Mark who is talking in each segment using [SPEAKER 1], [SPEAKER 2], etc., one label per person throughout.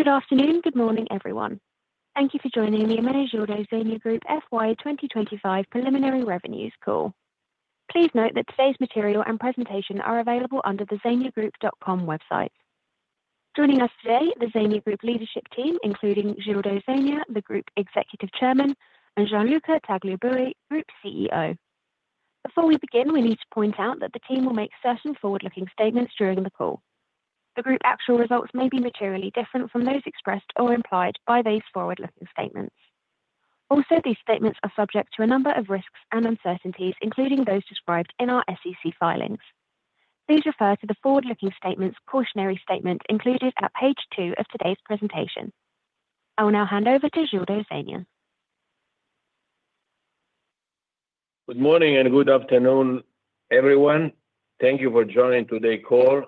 [SPEAKER 1] Good afternoon, good morning, everyone. Thank you for joining the Ermenegildo Zegna Group FY 2025 preliminary revenues call. Please note that today's material and presentation are available on the zegnagroup.com website. Joining us today, the Zegna Group leadership team, including Gildo Zegna, Group Executive Chairman, and Gianluca Tagliabue, Group CEO. Before we begin, we need to point out that the team will make certain forward-looking statements during the call. The Group's actual results may be materially different from those expressed or implied by these forward-looking statements. Also, these statements are subject to a number of risks and uncertainties, including those described in our SEC filings. Please refer to the forward-looking statements cautionary statement included at page two of today's presentation. I will now hand over to Gildo Zegna.
[SPEAKER 2] Good morning and good afternoon, everyone. Thank you for joining today call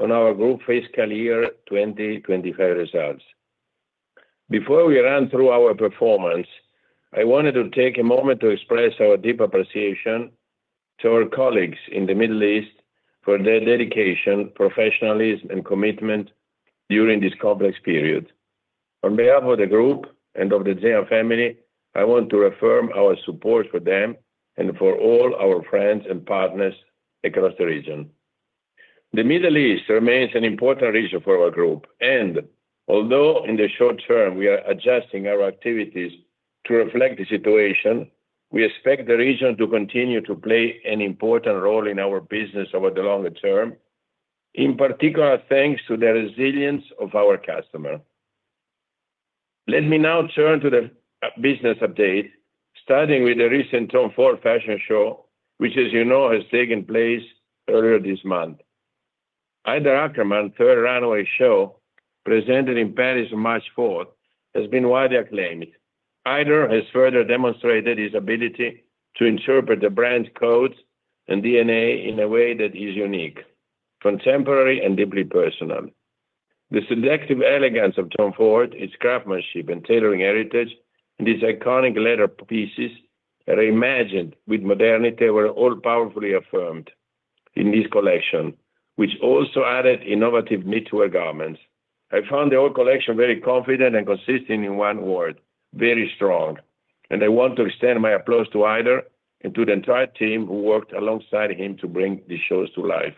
[SPEAKER 2] on our group fiscal year 2025 results. Before we run through our performance, I wanted to take a moment to express our deep appreciation to our colleagues in the Middle East for their dedication, professionalism, and commitment during this complex period. On behalf of the group and of the Zegna family, I want to affirm our support for them and for all our friends and partners across the region. The Middle East remains an important region for our group, and although in the short term we are adjusting our activities to reflect the situation, we expect the region to continue to play an important role in our business over the longer term, in particular, thanks to the resilience of our customer. Let me now turn to the business update, starting with the recent Tom Ford fashion show, which, as you know, has taken place earlier this month. Haider Ackermann third runway show, presented in Paris, March fourth, has been widely acclaimed. Haider Ackermann has further demonstrated his ability to interpret the brand codes and DNA in a way that is unique, contemporary, and deeply personal. The seductive elegance of Tom Ford, its craftsmanship and tailoring heritage, and its iconic leather pieces, reimagined with modernity, were all powerfully affirmed in this collection, which also added innovative knitwear garments. I found the whole collection very confident and consistent in one word, very strong, and I want to extend my applause to Haider Ackermann and to the entire team who worked alongside him to bring these shows to life.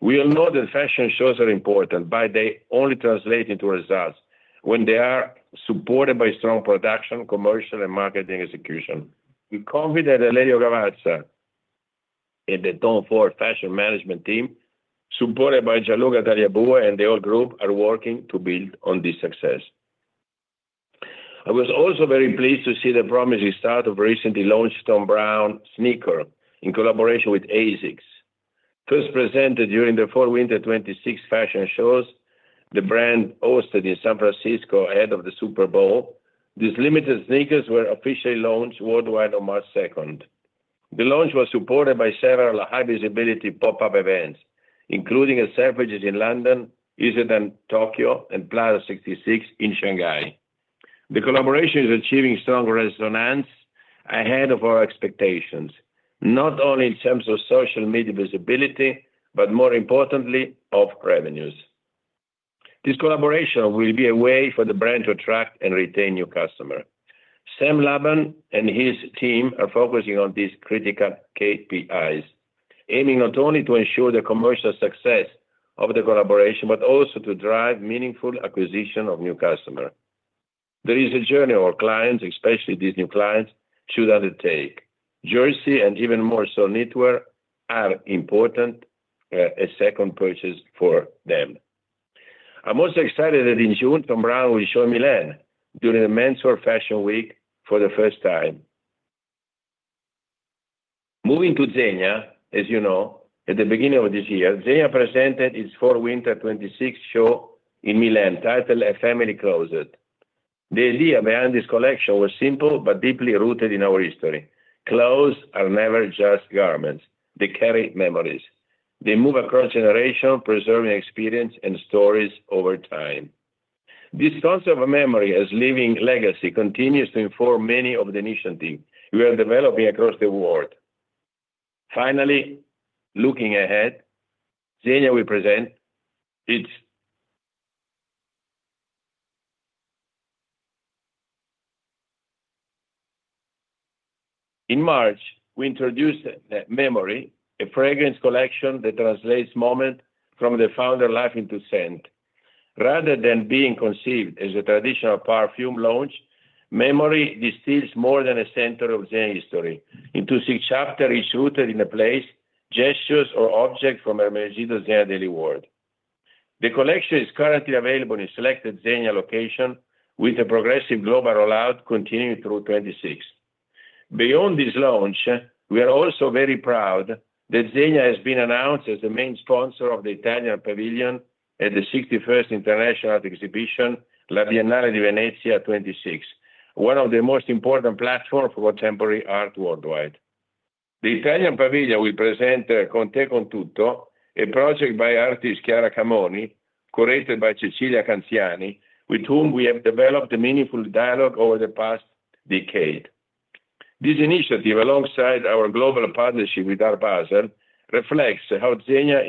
[SPEAKER 2] We all know that fashion shows are important, but they only translate into results when they are supported by strong production, commercial, and marketing execution. We're confident that Lelio Gavazza and the Tom Ford fashion management team, supported by Gianluca Tagliabue and the whole group, are working to build on this success. I was also very pleased to see the promising start of recently launched Thom Browne sneaker in collaboration with ASICS. First presented during the Fall/Winter 2026 fashion shows, the brand hosted in San Francisco ahead of the Super Bowl. These limited sneakers were officially launched worldwide on March second. The launch was supported by several high visibility pop-up events, including at Selfridges in London, Isetan Tokyo, and Plaza 66 in Shanghai. The collaboration is achieving strong resonance ahead of our expectations, not only in terms of social media visibility, but more importantly, of revenues. This collaboration will be a way for the brand to attract and retain new customer. Sam Lobban and his team are focusing on these critical KPIs, aiming not only to ensure the commercial success of the collaboration but also to drive meaningful acquisition of new customer. There is a journey our clients, especially these new clients, should undertake. Jersey and even more so knitwear are important, a second purchase for them. I'm also excited that in June, Thom Browne will show in Milan during the Milan Fashion Week Men's for the first time. Moving to Zegna, as you know, at the beginning of this year, Zegna presented its Fall/Winter 2026 show in Milan, titled A Family Closet. The idea behind this collection was simple but deeply rooted in our history. Clothes are never just garments. They carry memories. They move across generation, preserving experience and stories over time. This concept of memory as living legacy continues to inform many of the initiatives we are developing across the world. Finally, looking ahead. In March, we introduced Memorie, a fragrance collection that translates moments from the founder's life into scent. Rather than being conceived as a traditional perfume launch, Memorie distills more than a century of Zegna history into six chapters inspired by a place, gesture, or object from Ermenegildo Zegna's daily world. The collection is currently available in selected Zegna locations, with a progressive global rollout continuing through 2026. Beyond this launch, we are also very proud that Zegna has been announced as the main sponsor of the Italian Pavilion at the sixty-first International Art Exhibition, La Biennale di Venezia 2026, one of the most important platforms for contemporary art worldwide. The Italian Pavilion will present Con te con tutto, a project by artist Chiara Camoni, curated by Cecilia Canziani, with whom we have developed a meaningful dialogue over the past decade. This initiative, alongside our global partnership with Art Basel, reflects how Zegna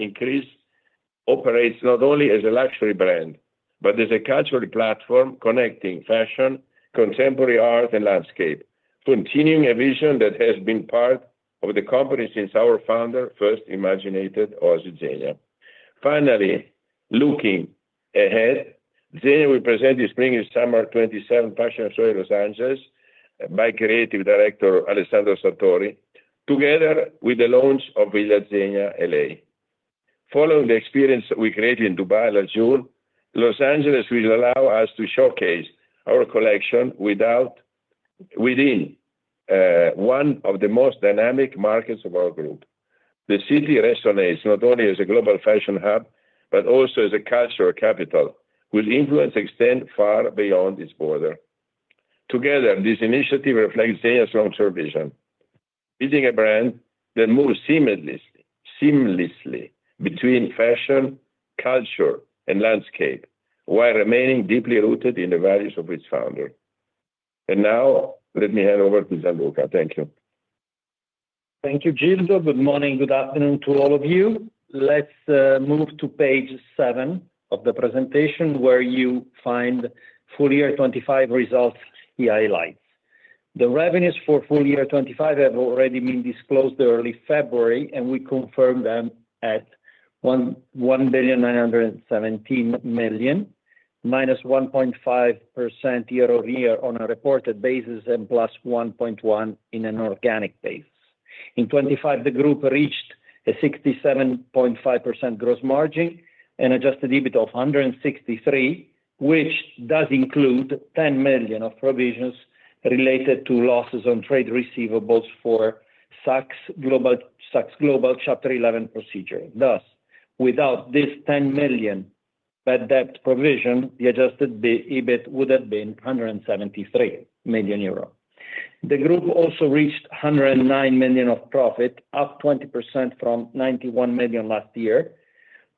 [SPEAKER 2] operates not only as a luxury brand, but as a cultural platform connecting fashion, contemporary art, and landscape, continuing a vision that has been part of the company since our founder, Ermenegildo Zegna, first imagined. Finally, looking ahead, Zegna will present the spring and summer 2027 fashion show in Los Angeles by creative director Alessandro Sartori, together with the launch of Villa Zegna L.A. Following the experience that we create in Dubai last year, Los Angeles will allow us to showcase our collection within one of the most dynamic markets of our group. The city resonates not only as a global fashion hub, but also as a cultural capital, with influence extent far beyond its border. Together, this initiative reflects Zegna's long-term vision, building a brand that moves seamlessly between fashion, culture, and landscape, while remaining deeply rooted in the values of its founder. Now, let me hand over to Gianluca. Thank you.
[SPEAKER 3] Thank you, Gildo. Good morning, good afternoon to all of you. Let's move to page seven of the presentation, where you find full year 2025 results key highlights. The revenues for full year 2025 have already been disclosed early February, and we confirm them at 1,917 million, -1.5% year-over-year on a reported basis, and +1.1% on an organic basis. In 2025, the group reached a 67.5% gross margin and adjusted EBIT of 163 million, which does include 10 million of provisions related to losses on trade receivables for Saks Global Chapter 11 procedure. Thus, without this 10 million bad debt provision, the adjusted EBIT would have been 173 million euro. The group also reached 109 million of profit, up 20% from 91 million last year.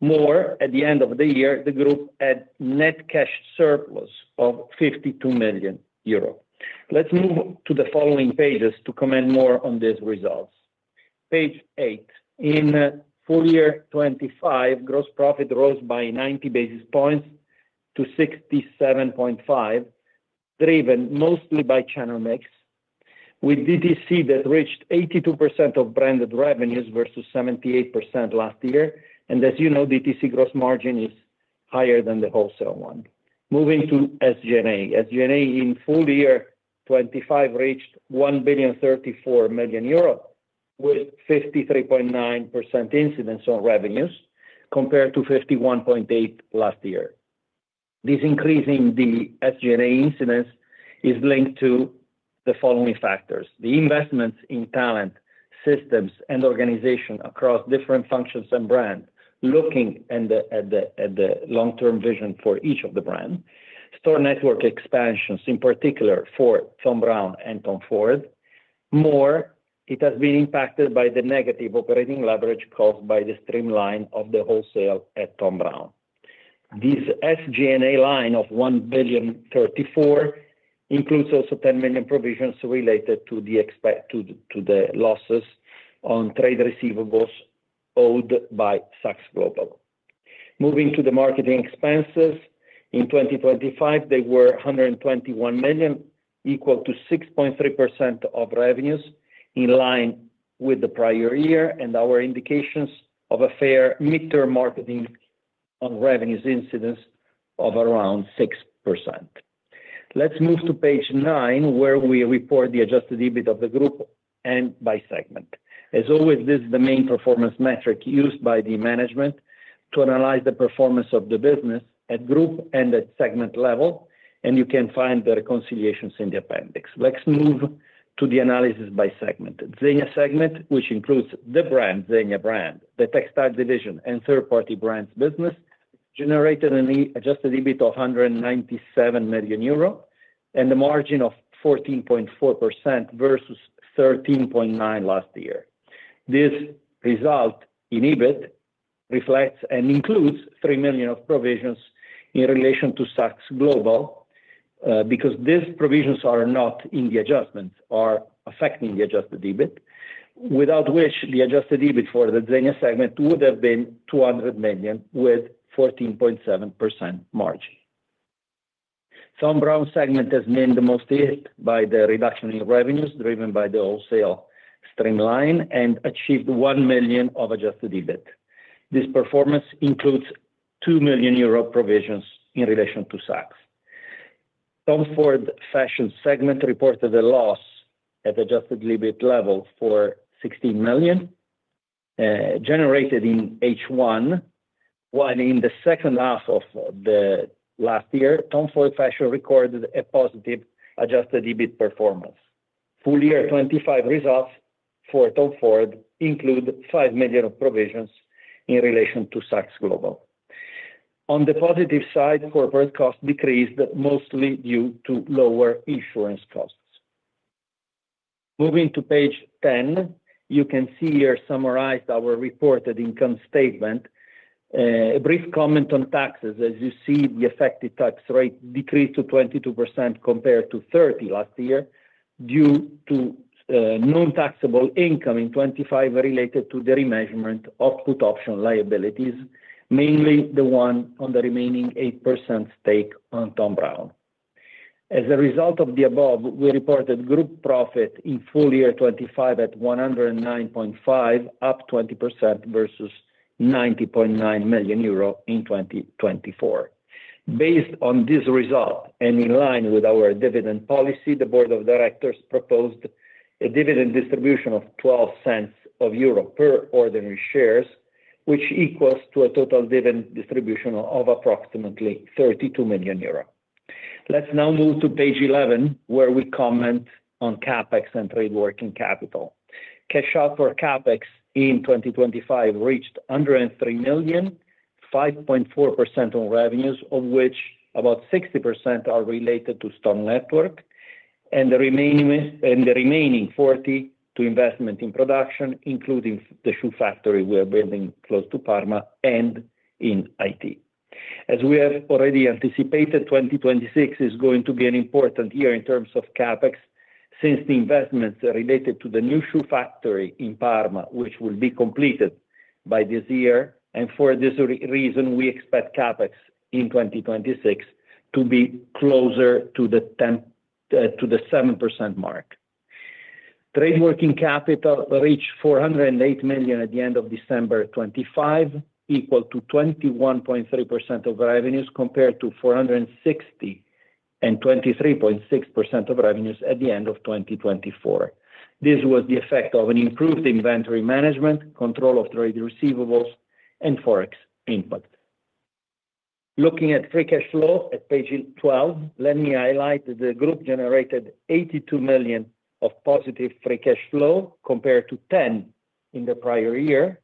[SPEAKER 3] More, at the end of the year, the group had net cash surplus of 52 million euro. Let's move to the following pages to comment more on these results. Page eight. In full year 2025, gross profit rose by 90 basis points to 67.5%, driven mostly by channel mix, with DTC that reached 82% of branded revenues versus 78% last year. As you know, DTC gross margin is higher than the wholesale one. Moving to SG&A. SG&A in full year 2025 reached 1,034 million euro with 53.9% incidence on revenues compared to 51.8% last year. This increase in the SG&A incidence is linked to the following factors: the investments in talent, systems, and organization across different functions and brands, looking at the long-term vision for each of the brand, store network expansions, in particular for Thom Browne and Tom Ford. More, it has been impacted by the negative operating leverage caused by the streamlining of the wholesale at Thom Browne. This SG&A line of 1,034 million includes also 10 million provisions related to the expected losses on trade receivables owed by Saks Global. Moving to the marketing expenses. In 2025, they were 121 million, equal to 6.3% of revenues, in line with the prior year and our indications of a fair midterm marketing on revenues incidence of around 6%. Let's move to page nine, where we report the adjusted EBIT of the group and by segment. As always, this is the main performance metric used by the management to analyze the performance of the business at group and at segment level, and you can find the reconciliations in the appendix. Let's move to the analysis by segment. Zegna segment, which includes the brand, Zegna brand, the textile division, and third-party brands business, generated an adjusted EBIT of 197 million euro and a margin of 14.4% versus 13.9% last year. This result in EBIT reflects and includes 3 million of provisions in relation to Saks Global, because these provisions are not in the adjustment or affecting the adjusted EBIT, without which the adjusted EBIT for the Zegna segment would have been 200 million with 14.7% margin. Thom Browne segment has been the most hit by the reduction in revenues driven by the wholesale streamline and achieved 1 million of adjusted EBIT. This performance includes 2 million euro provisions in relation to Saks. Tom Ford Fashion segment reported a loss at adjusted EBIT level for 16 million generated in H1, while in the second half of the last year, Tom Ford Fashion recorded a positive adjusted EBIT performance. Full year 2025 results for Tom Ford include 5 million of provisions in relation to Saks Global. On the positive side, corporate costs decreased, mostly due to lower insurance costs. Moving to page 10, you can see here summarized our reported income statement. A brief comment on taxes. As you see, the effective tax rate decreased to 22% compared to 30% last year due to non-taxable income in 2025 related to the remeasurement of put option liabilities, mainly the one on the remaining 8% stake on Thom Browne. As a result of the above, we reported group profit in full year 2025 at 109.5 million, up 20% versus 90.9 million euro in 2024. Based on this result and in line with our dividend policy, the board of directors proposed a dividend distribution of 12 cents of EUR per ordinary shares, which equals to a total dividend distribution of approximately 32 million euro. Let's now move to page 11, where we comment on CapEx and trade working capital. Cash outlay for CapEx in 2025 reached 103 million, 5.4% on revenues, of which about 60% are related to store network, and the remaining 40 to investment in production, including the shoe factory we are building close to Parma and in IT. As we have already anticipated, 2026 is going to be an important year in terms of CapEx since the investments are related to the new shoe factory in Parma, which will be completed by this year. For this reason, we expect CapEx in 2026 to be closer to the 7% mark. Trade working capital reached 408 million at the end of December 2025, equal to 21.3% of revenues, compared to 460 million and 23.6% of revenues at the end of 2024. This was the effect of an improved inventory management, control of trade receivables, and Forex impact. Looking at free cash flow at page 12, let me highlight the group generated 82 million of positive free cash flow compared to 10 million in the prior year.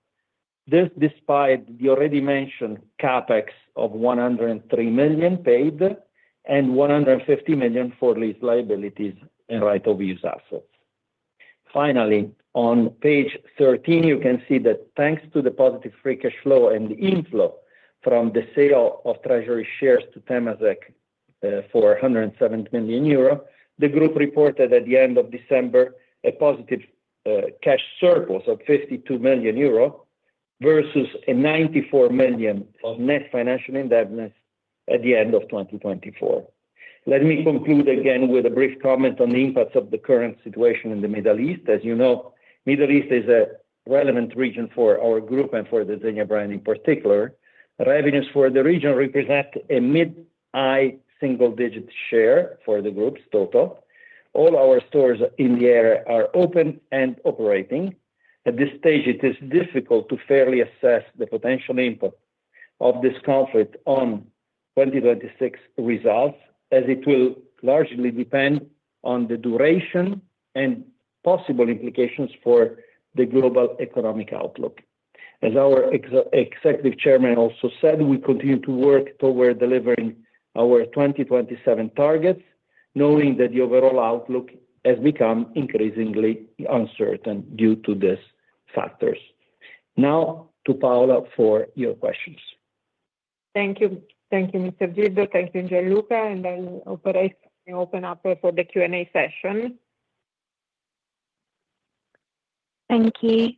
[SPEAKER 3] This despite the already mentioned CapEx of 103 million paid and 150 million for lease liabilities and right-of-use assets. Finally, on page 13, you can see that thanks to the positive free cash flow and the inflow from the sale of treasury shares to Temasek for 107 million euro, the group reported at the end of December a positive cash surplus of 52 million euro versus 94 million of net financial indebtedness at the end of 2024. Let me conclude again with a brief comment on the impacts of the current situation in the Middle East. As you know, Middle East is a relevant region for our group and for the Zegna brand in particular. Revenues for the region represent a mid-high single digit share for the group's total. All our stores in the area are open and operating. At this stage, it is difficult to fairly assess the potential input of this conflict on 2026 results, as it will largely depend on the duration and possible implications for the global economic outlook. As our executive chairman also said, we continue to work toward delivering our 2027 targets, knowing that the overall outlook has become increasingly uncertain due to these factors. Now to Paola for your questions.
[SPEAKER 4] Thank you. Thank you, Mr. Gildo. Thank you, Gianluca. I'll open up for the Q&A session.
[SPEAKER 1] Thank you.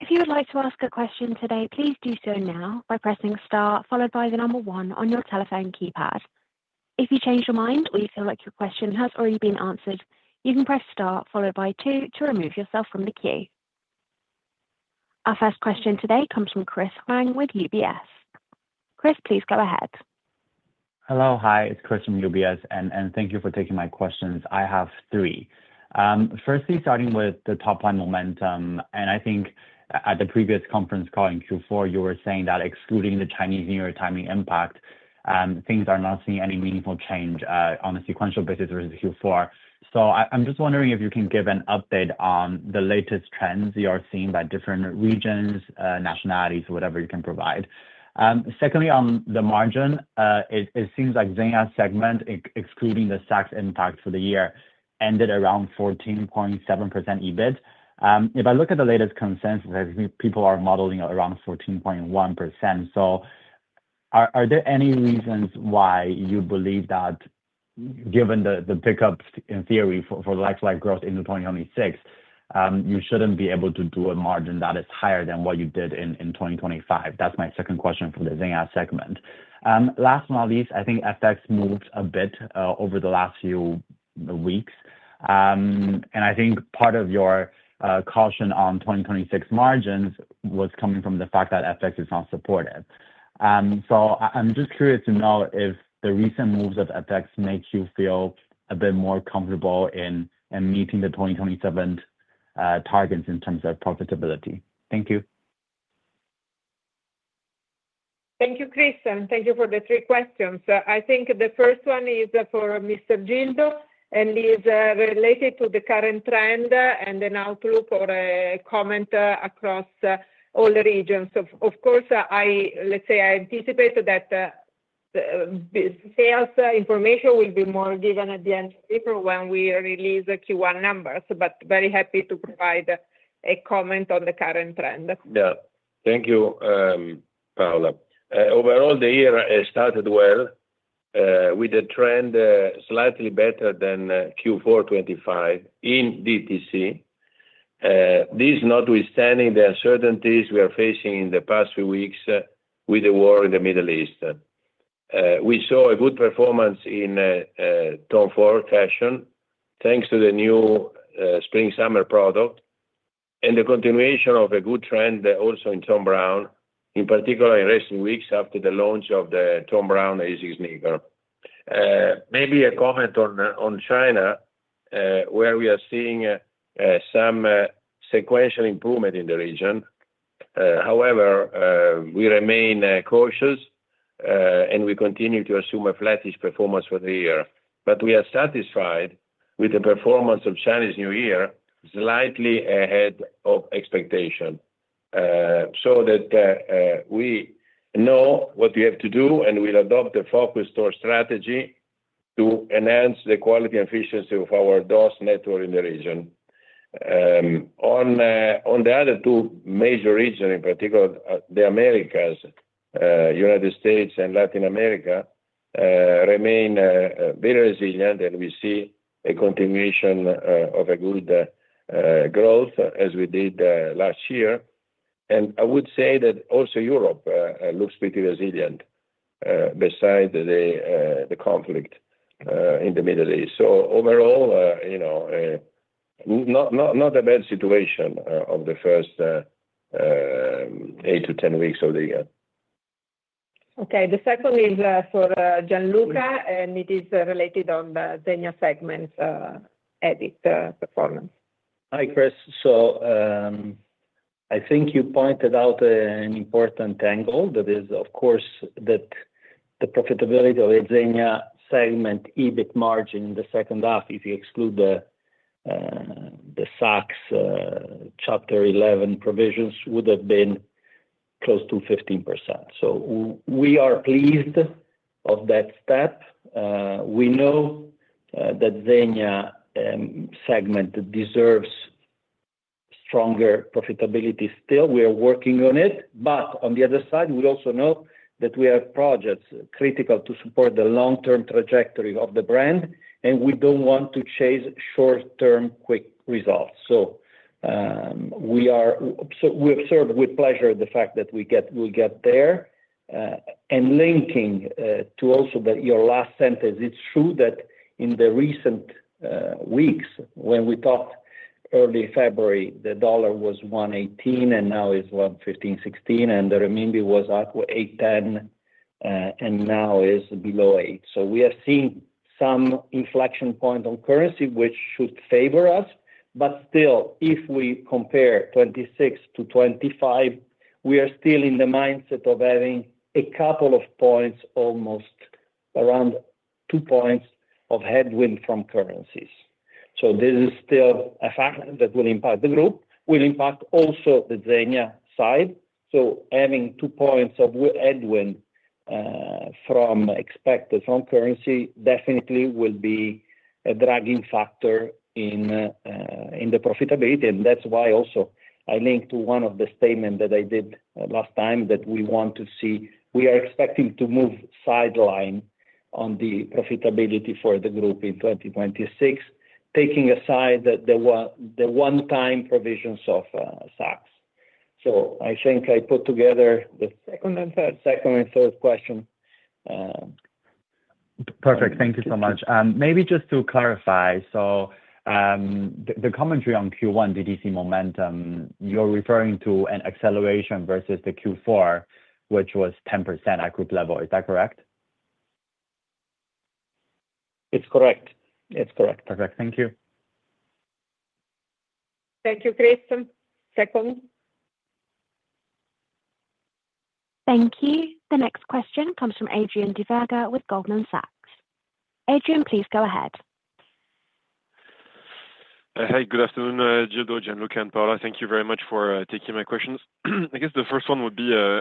[SPEAKER 1] If you would like to ask a question today, please do so now by pressing star followed by the number 1 on your telephone keypad. If you change your mind or you feel like your question has already been answered, you can press star followed by two to remove yourself from the queue. Our first question today comes from Chris Huang with UBS. Chris, please go ahead.
[SPEAKER 5] Hello. Hi, it's Chris from UBS, and thank you for taking my questions. I have three. First, starting with the top-line momentum, I think at the previous conference call in Q4, you were saying that excluding the Chinese New Year timing impact, things are not seeing any meaningful change on a sequential basis versus Q4. I'm just wondering if you can give an update on the latest trends you are seeing by different regions, nationalities, whatever you can provide. Second, on the margin, it seems like Zegna segment excluding the tax impact for the year ended around 14.7% EBIT. If I look at the latest consensus, I think people are modeling around 14.1%. Are there any reasons why you believe that given the pickups in theory for like-for-like growth into 2026, you shouldn't be able to do a margin that is higher than what you did in 2025? That's my second question for the Zegna segment. Last but not least, I think FX moved a bit over the last few weeks. I think part of your caution on 2026 margins was coming from the fact that FX is not supportive. I'm just curious to know if the recent moves of FX makes you feel a bit more comfortable in meeting the 2027 targets in terms of profitability. Thank you.
[SPEAKER 4] Thank you, Chris, and thank you for the three questions. I think the first one is for Mr. Gildo and is related to the current trend and an outlook or a comment across all the regions. Of course, let's say I anticipated that. The sales information will be more given at the end of April when we release the Q1 numbers, but very happy to provide a comment on the current trend.
[SPEAKER 2] Yeah. Thank you, Paola. Overall, the year has started well, with the trend slightly better than Q4 2025 in DTC. This notwithstanding the uncertainties we are facing in the past few weeks with the war in the Middle East. We saw a good performance in Tom Ford Fashion thanks to the new spring/summer product and the continuation of a good trend also in Thom Browne, in particular in recent weeks after the launch of the Thom Browne x ASICS sneaker. Maybe a comment on China, where we are seeing some sequential improvement in the region. However, we remain cautious, and we continue to assume a flattish performance for the year. We are satisfied with the performance of Chinese New Year, slightly ahead of expectation. so that we know what we have to do, and we'll adopt a focused store strategy to enhance the quality and efficiency of our DOS network in the region. On the other two major region, in particular, the Americas, United States and Latin America, remain resilient, and we see a continuation of a good growth as we did last year. I would say that also Europe looks pretty resilient, besides the conflict in the Middle East. Overall, you know, not a bad situation of the first 8-10 weeks of the year.
[SPEAKER 4] Okay. The second is for Gianluca, and it is related to the Zegna segment, EBIT performance.
[SPEAKER 3] Hi, Chris. I think you pointed out an important angle that is, of course, that the profitability of Zegna segment EBIT margin in the second half, if you exclude the Saks Chapter 11 provisions, would have been close to 15%. We are pleased of that step. We know that Zegna segment deserves stronger profitability still. We are working on it. On the other side, we also know that we have projects critical to support the long-term trajectory of the brand, and we don't want to chase short-term quick results. We observe with pleasure the fact that we'll get there. Linking to also your last sentence, it's true that in the recent weeks when we talked early February, the dollar was 1.18 and now is 1.15, 1.16, and the renminbi was at 8.10 and now is below eight. We have seen some inflection point on currency, which should favor us. Still, if we compare 2026 to 2025, we are still in the mindset of having a couple of points, almost around two points of headwind from currencies. This is still a factor that will impact the group, will impact also the Zegna side. Having two points of headwind from currency definitely will be a dragging factor in the profitability. That's why also I linked to one of the statement that I did last time that we want to see. We are expecting to move sideways on the profitability for the group in 2026, taking aside the one-time provisions of Saks. I think I put together the second and third question.
[SPEAKER 5] Perfect. Thank you so much. Maybe just to clarify. The commentary on Q1 DTC momentum, you're referring to an acceleration versus the Q4, which was 10% at group level. Is that correct?
[SPEAKER 3] It's correct. It's correct.
[SPEAKER 5] Perfect. Thank you.
[SPEAKER 4] Thank you, Chris. Second?
[SPEAKER 1] Thank you. The next question comes from Adrien Duverger with Goldman Sachs. Adrien, please go ahead.
[SPEAKER 6] Hey, good afternoon, Gildo, Gianluca, and Paola. Thank you very much for taking my questions. I guess the first one would be on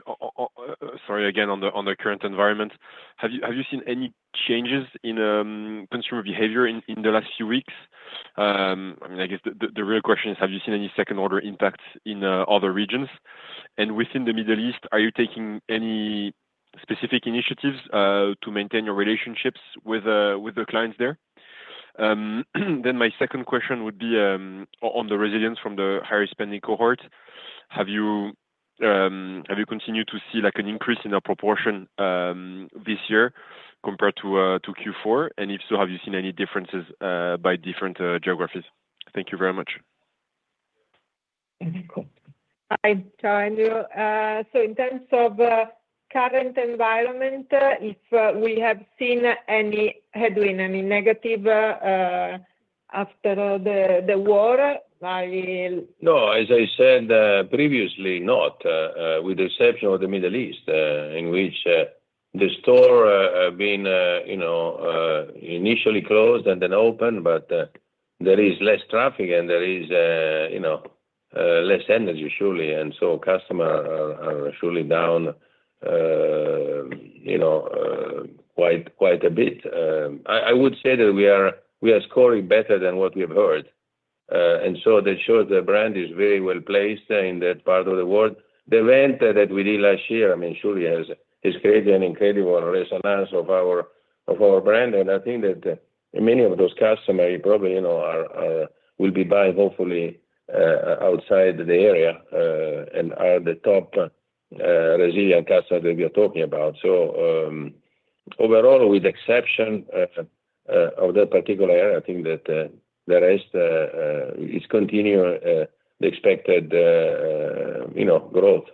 [SPEAKER 6] the current environment. Have you seen any changes in consumer behavior in the last few weeks? I mean, I guess the real question is, have you seen any second order impacts in other regions? Within the Middle East, are you taking any specific initiatives to maintain your relationships with the clients there? My second question would be on the resilience from the higher spending cohort. Have you continued to see, like, an increase in the proportion this year compared to Q4? If so, have you seen any differences by different geographies? Thank you very much.
[SPEAKER 4] Hi, Adrien. In terms of current environment, if we have seen any headwind, any negative after the war, I-
[SPEAKER 2] No, as I said previously, not with the exception of the Middle East, in which the store have been you know initially closed and then opened, but there is less traffic, and there is you know less energy surely. Customer are surely down you know quite a bit. I would say that we are scoring better than what we have heard. That shows the brand is very well-placed in that part of the world. The event that we did last year, I mean, surely has created an incredible resonance of our brand. I think that many of those customers probably, you know, will be buying hopefully outside the area and are the top resilient customers that we are talking about. Overall, with the exception of that particular area, I think that the rest is continuing the expected, you know, growth.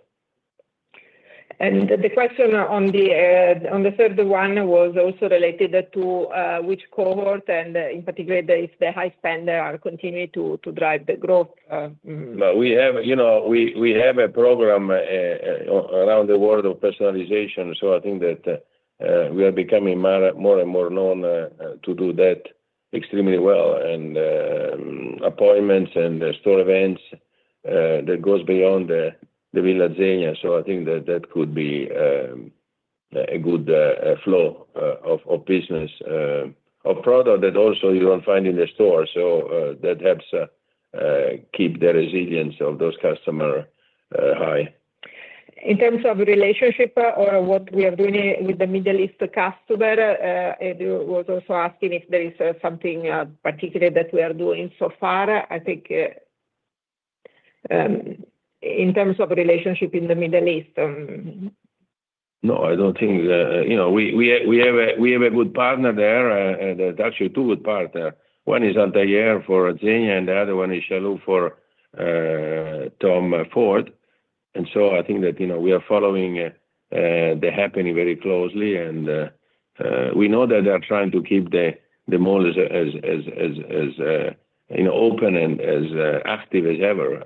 [SPEAKER 4] The question on the third one was also related to which cohort and, in particular, if the high spenders are continuing to drive the growth.
[SPEAKER 2] Well, we have you know a program around the world of personalization. I think that we are becoming more and more known to do that extremely well. Appointments and store events that goes beyond the Villa Zegna. I think that that could be a good flow of business of product that also you don't find in the store. That helps keep the resilience of those customer high.
[SPEAKER 4] In terms of relationship or what we are doing with the Middle East customer, Andrew was also asking if there is something particular that we are doing so far. I think, in terms of relationship in the Middle East.
[SPEAKER 2] No, I don't think, you know, we have a good partner there. There's actually two good partners. One is Anta for Zegna, and the other one is Chalhoub for Tom Ford. I think that, you know, we are following the situation very closely and we know that they are trying to keep the mall as open and as active as ever.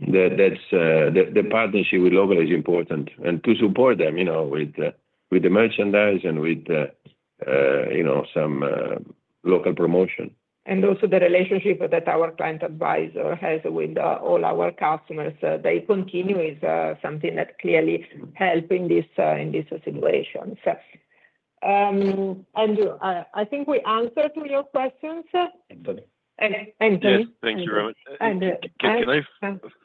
[SPEAKER 2] That's the partnership with local is important and to support them, you know, with the merchandise and with some local promotion.
[SPEAKER 4] Also, the relationship that our client advisor has with all our customers, they continue is something that clearly help in this situation. Andrew, I think we answered to your questions.
[SPEAKER 6] Anthony.
[SPEAKER 4] An-Anthony.
[SPEAKER 6] Yes. Thank you very much.
[SPEAKER 4] And, uh...
[SPEAKER 6] Can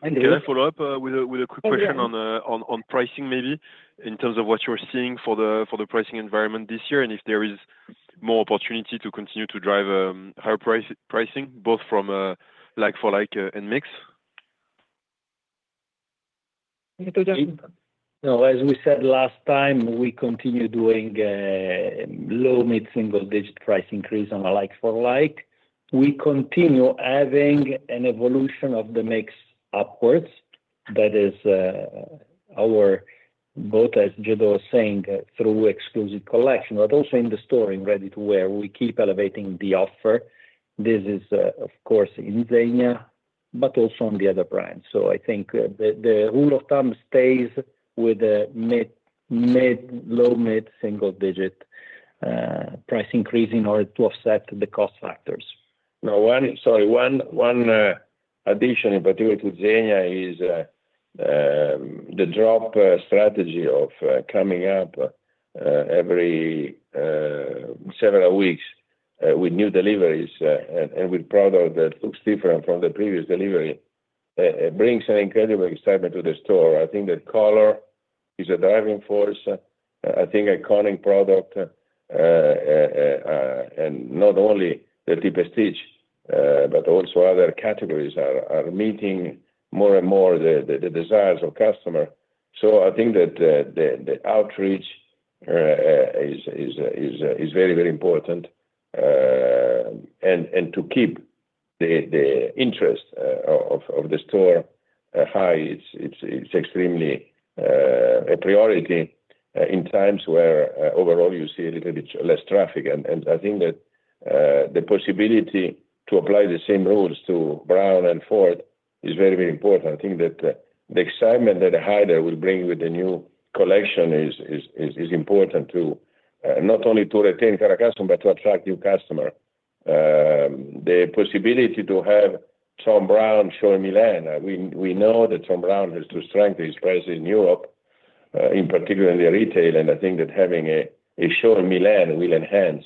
[SPEAKER 6] I follow up with a quick question on pricing maybe, in terms of what you're seeing for the pricing environment this year, and if there is more opportunity to continue to drive higher pricing, both from like for like and mix?
[SPEAKER 4] Gianluca Tagliabue, do you?
[SPEAKER 3] No, as we said last time, we continue doing low mid-single digit price increase on a like for like. We continue having an evolution of the mix upwards. That is, both, as Gildo was saying, through exclusive collection, but also in the store in ready-to-wear, we keep elevating the offer. This is, of course, in Zegna, but also on the other brands. I think the rule of thumb stays with a low mid-single digit price increase in order to offset the cost factors.
[SPEAKER 2] One addition in particular to Zegna is the drop strategy of coming up every several weeks with new deliveries and with product that looks different from the previous delivery brings an incredible excitement to the store. I think that color is a driving force. I think iconic product and not only the Triple Stitch but also other categories are meeting more and more the desires of customer. I think that the outreach is very important. To keep the interest of the store high, it's extremely a priority in times where overall you see a little bit less traffic. I think that the possibility to apply the same rules to Thom Browne and Tom Ford is very, very important. I think that the excitement that Haider Ackermann will bring with the new collection is important to not only retain current customer, but to attract new customer. The possibility to have Thom Browne show in Milan. We know that Thom Browne has to strengthen his presence in Europe, in particular in the retail. I think that having a show in Milan will enhance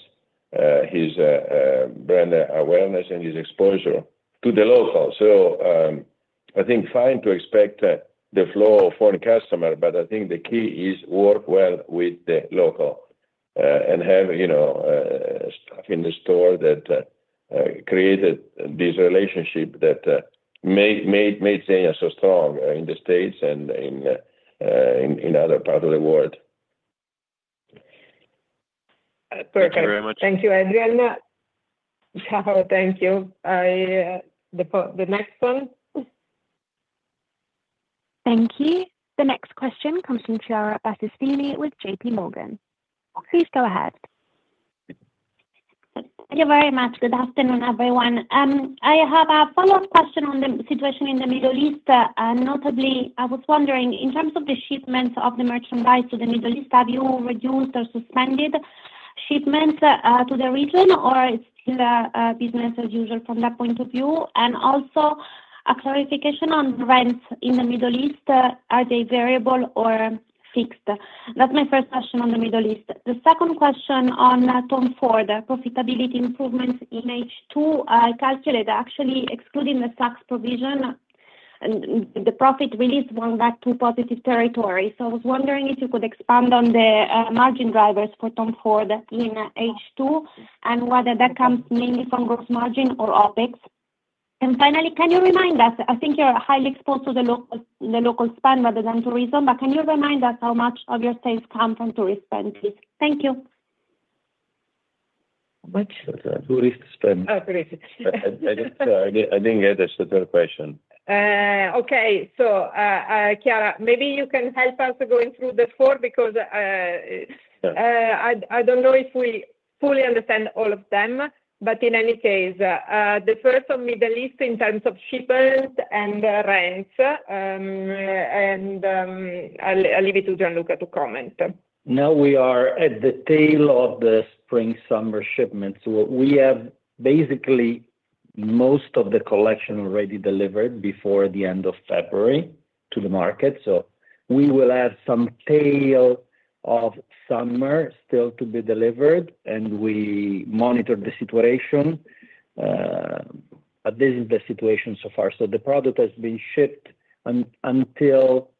[SPEAKER 2] his brand awareness and his exposure to the local. I think fine to expect the flow of foreign customer, but I think the key is work well with the local, and have, you know, stuff in the store that created this relationship that made Zegna so strong in the States and in other parts of the world.
[SPEAKER 6] Thank you very much.
[SPEAKER 4] Thank you, Adrien. Ciao, thank you. I, the next one.
[SPEAKER 1] Thank you. The next question comes from Chiara Battistini with JPMorgan. Please go ahead.
[SPEAKER 7] Thank you very much. Good afternoon, everyone. I have a follow-up question on the situation in the Middle East. Notably, I was wondering, in terms of the shipments of the merchandise to the Middle East, have you reduced or suspended shipments to the region or it's still business as usual from that point of view? And also a clarification on rents in the Middle East, are they variable or fixed? That's my first question on the Middle East. The second question on Tom Ford, the profitability improvements in H2. I calculate actually excluding the tax provision and the profit release went back to positive territory. So I was wondering if you could expand on the margin drivers for Tom Ford in H2 and whether that comes mainly from gross margin or OpEx. Finally, can you remind us, I think you're highly exposed to the local spend rather than tourism, but can you remind us how much of your sales come from tourist spend, please? Thank you.
[SPEAKER 4] Which?
[SPEAKER 3] Tourist spend.
[SPEAKER 4] Oh, tourist.
[SPEAKER 3] I didn't get the third question.
[SPEAKER 4] Okay. Chiara, maybe you can help us going through the four because
[SPEAKER 3] Sure.
[SPEAKER 4] I don't know if we fully understand all of them. In any case, the first on Middle East in terms of shippers and rents. I'll leave it to Gianluca to comment.
[SPEAKER 3] Now we are at the tail of the spring/summer shipments. We have basically most of the collection already delivered before the end of February to the market. We will have some tail of summer still to be delivered, and we monitor the situation, but this is the situation so far. The product has been shipped until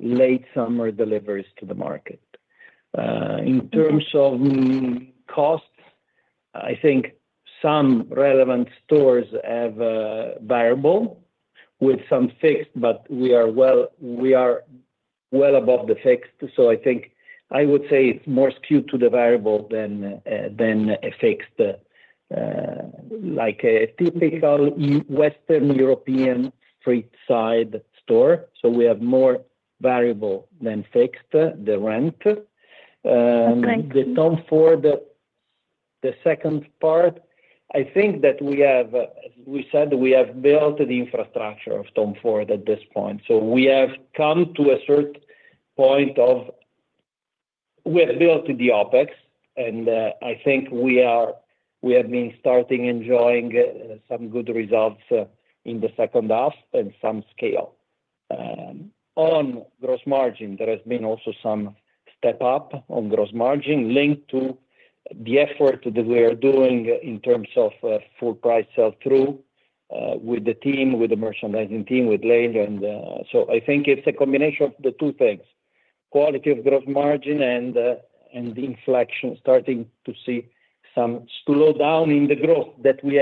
[SPEAKER 3] late summer deliveries to the market. In terms of costs, I think some relevant stores have variable with some fixed, but we are well above the fixed. I think I would say it's more skewed to the variable than a fixed, like a typical Western European street side store. We have more variable than fixed, the rent.
[SPEAKER 4] Thank you.
[SPEAKER 3] The Tom Ford, the second part, I think that we have, as we said, we have built the infrastructure of Tom Ford at this point. We have come to a certain point of we have built the OpEx, and, I think we have been starting enjoying some good results in the second half and some scale. On gross margin, there has been also some step up on gross margin linked to the effort that we are doing in terms of, full price sell through, with the team, with the merchandising team, with Lelio Gavazza. I think it's a combination of the two things, quality of gross margin and the inflection, starting to see some slowdown in the growth that we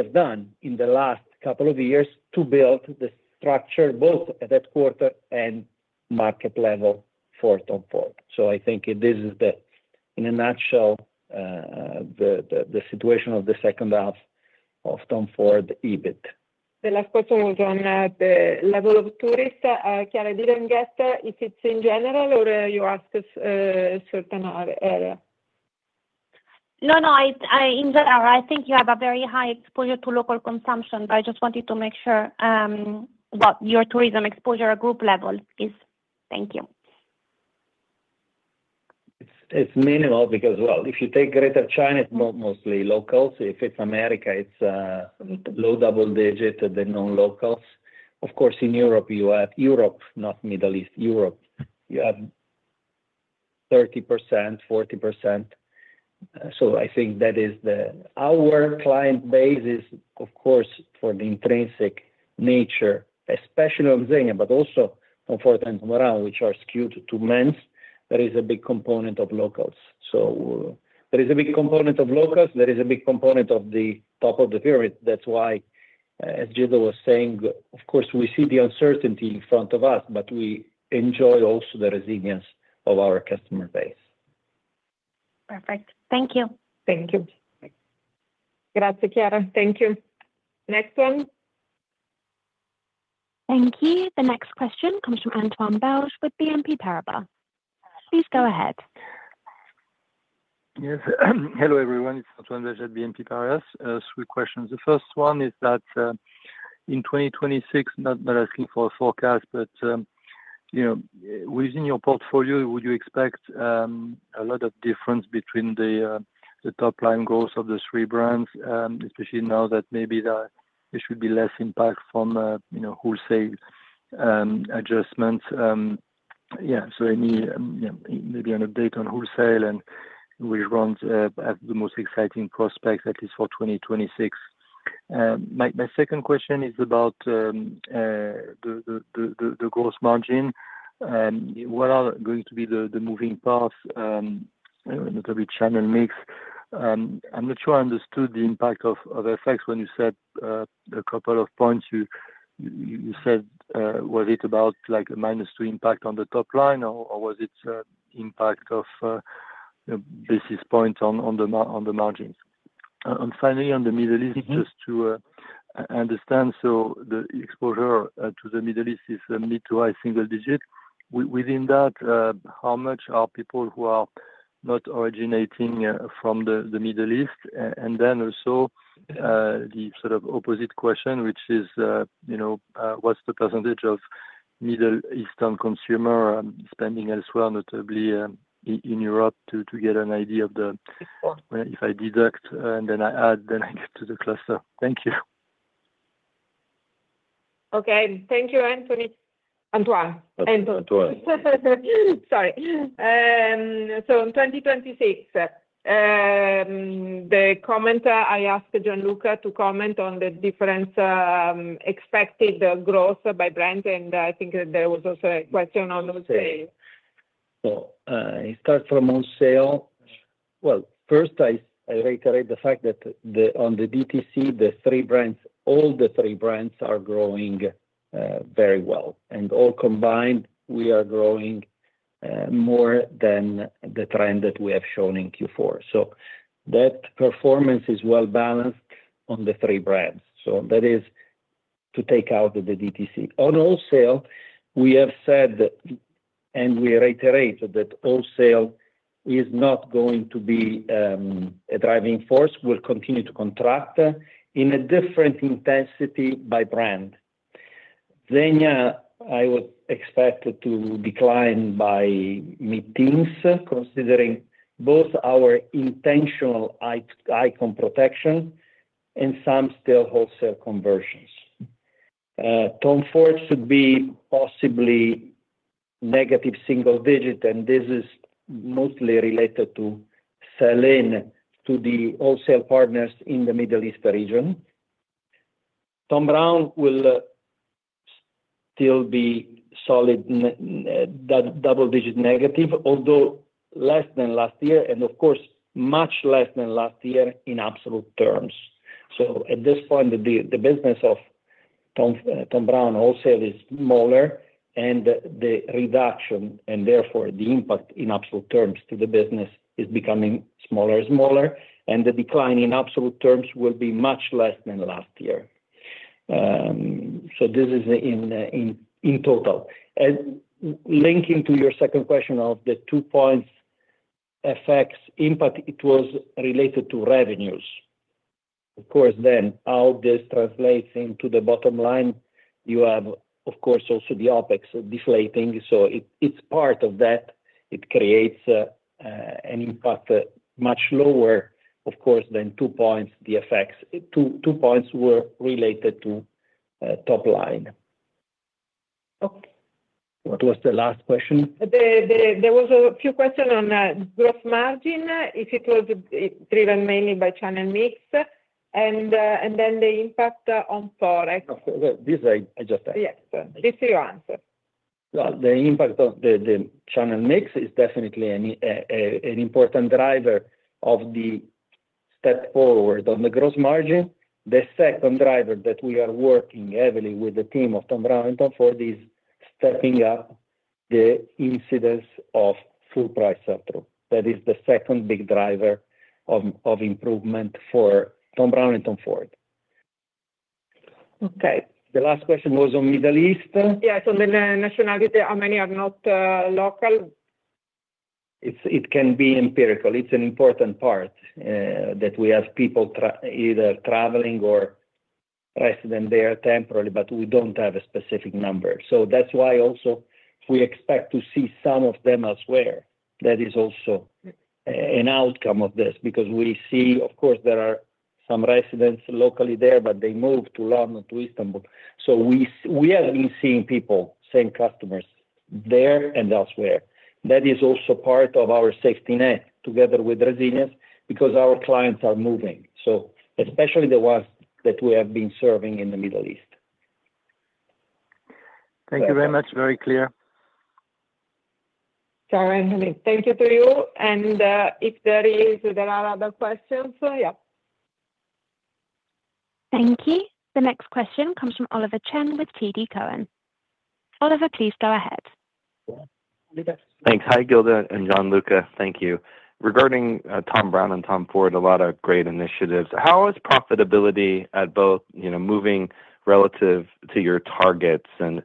[SPEAKER 3] have done in the last couple of years to build the structure both at headquarters and market level for Tom Ford. I think this is, in a nutshell, the situation of the second half of Tom Ford EBIT.
[SPEAKER 4] The last question was on the level of tourists. Chiara, I didn't get if it's in general or you asked a certain area.
[SPEAKER 7] No, no, it's in general. I think you have a very high exposure to local consumption, but I just wanted to make sure what your tourism exposure at group level is. Thank you.
[SPEAKER 3] It's minimal because, well, if you take Greater China, it's mostly locals. If it's America, it's low double-digit, the non-locals. Of course, in Europe, you have Europe, not Middle East, you have 30%, 40%. I think that is the our client base is of course, for the intrinsic nature, especially of Zegna, but also Tom Ford and Ermenegildo Zegna, which are skewed to men's, there is a big component of locals. There is a big component of the top of the pyramid. That's why, as Gildo was saying, of course, we see the uncertainty in front of us, but we enjoy also the resilience of our customer base.
[SPEAKER 7] Perfect. Thank you.
[SPEAKER 4] Thank you. Grazie, Chiara. Thank you. Next one.
[SPEAKER 1] Thank you. The next question comes from Antoine Belge with BNP Paribas. Please go ahead.
[SPEAKER 8] Yes. Hello, everyone. It's Antoine Belge at BNP Paribas. Three questions. The first one is that in 2026, not asking for a forecast, but you know, within your portfolio, would you expect a lot of difference between the top line goals of the three brands, especially now that maybe there should be less impact from you know, wholesale adjustments? Yeah, so any you know, maybe an update on wholesale and which brands have the most exciting prospects, at least for 2026. My second question is about the gross margin. What are going to be the moving parts you know, in terms of channel mix? I'm not sure I understood the impact of FX when you said a couple of points. You said, was it about like a -2% impact on the top line, or was it an impact of basis points on the margins? Finally on the Middle East.
[SPEAKER 4] Mm-hmm.
[SPEAKER 8] Just to understand. The exposure to the Middle East is mid- to high-single-digit. Within that, how much are people who are not originating from the Middle East? Then also, the sort of opposite question, which is, what's the percentage of Middle Eastern consumer and spending elsewhere, notably, in Europe to get an idea of the.
[SPEAKER 4] Okay.
[SPEAKER 8] If I deduct and then I add, then I get to the cluster. Thank you.
[SPEAKER 4] Okay. Thank you, Anthony.
[SPEAKER 8] Antoine.
[SPEAKER 4] Sorry. In 2026, I asked Gianluca to comment on the difference expected growth by brand, and I think that there was also a question on wholesale.
[SPEAKER 3] I start from wholesale. First, I reiterate the fact that on the DTC, the three brands, all the three brands are growing very well. All combined, we are growing more than the trend that we have shown in Q4. That performance is well-balanced on the three brands. That is to take out the DTC. On wholesale, we have said that, and we reiterate that wholesale is not going to be a driving force. It will continue to contract in a different intensity by brand. Zegna, I would expect it to decline by mid-teens, considering both our intentional icon protection and some still wholesale conversions. Tom Ford should be possibly negative single digit, and this is mostly related to selling to the wholesale partners in the Middle East region. Thom Browne will still be solid in double-digit negative, although less than last year, and of course, much less than last year in absolute terms. At this point, the business of Thom Browne wholesale is smaller and the reduction, and therefore the impact in absolute terms to the business is becoming smaller and smaller, and the decline in absolute terms will be much less than last year. This is in total. Linking to your second question of the two points FX impact, it was related to revenues. Of course then how this translates into the bottom line, you have of course also the OpEx deflating. It's part of that. It creates an impact much lower, of course, than two points the effects. Two points were related to top line.
[SPEAKER 4] Okay.
[SPEAKER 3] What was the last question?
[SPEAKER 4] There was a few questions on gross margin, if it was driven mainly by channel mix, and then the impact on Forex.
[SPEAKER 3] No. This, I just answered.
[SPEAKER 4] Yes. This you answered.
[SPEAKER 3] Well, the impact of the channel mix is definitely an important driver of the step forward on the growth margin. The second driver that we are working heavily with the team of Thom Browne and Tom Ford is stepping up the incidence of full price sell-through. That is the second big driver of improvement for Thom Browne and Tom Ford.
[SPEAKER 4] Okay.
[SPEAKER 3] The last question was on Middle East?
[SPEAKER 4] Yes, on the nationality, how many are not local?
[SPEAKER 3] It can be empirical. It's an important part that we have people either traveling or resident there temporarily, but we don't have a specific number. That's why also we expect to see some of them elsewhere. That is also an outcome of this because we see, of course, there are some residents locally there, but they move to London, to Istanbul. We have been seeing people, same customers, there and elsewhere. That is also part of our safety net together with resilience because our clients are moving, so especially the ones that we have been serving in the Middle East.
[SPEAKER 8] Thank you very much. Very clear.
[SPEAKER 4] Sorry, Anthony. Thank you to you. If there are other questions, yeah.
[SPEAKER 1] Thank you. The next question comes from Oliver Chen with TD Cowen. Oliver, please go ahead.
[SPEAKER 3] Oliver.
[SPEAKER 9] Thanks. Hi, Gildo and Gianluca. Thank you. Regarding Thom Browne and Tom Ford, a lot of great initiatives. How is profitability at both, you know, moving relative to your targets? And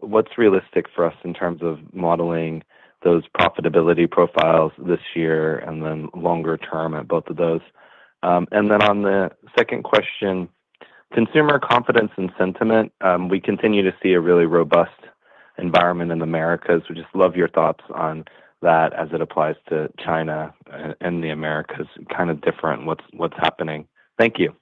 [SPEAKER 9] what's realistic for us in terms of modeling those profitability profiles this year and then longer term at both of those? And then on the second question, consumer confidence and sentiment, we continue to see a really robust environment in the Americas. We just love your thoughts on that as it applies to China and the Americas, kind of different, what's happening. Thank you.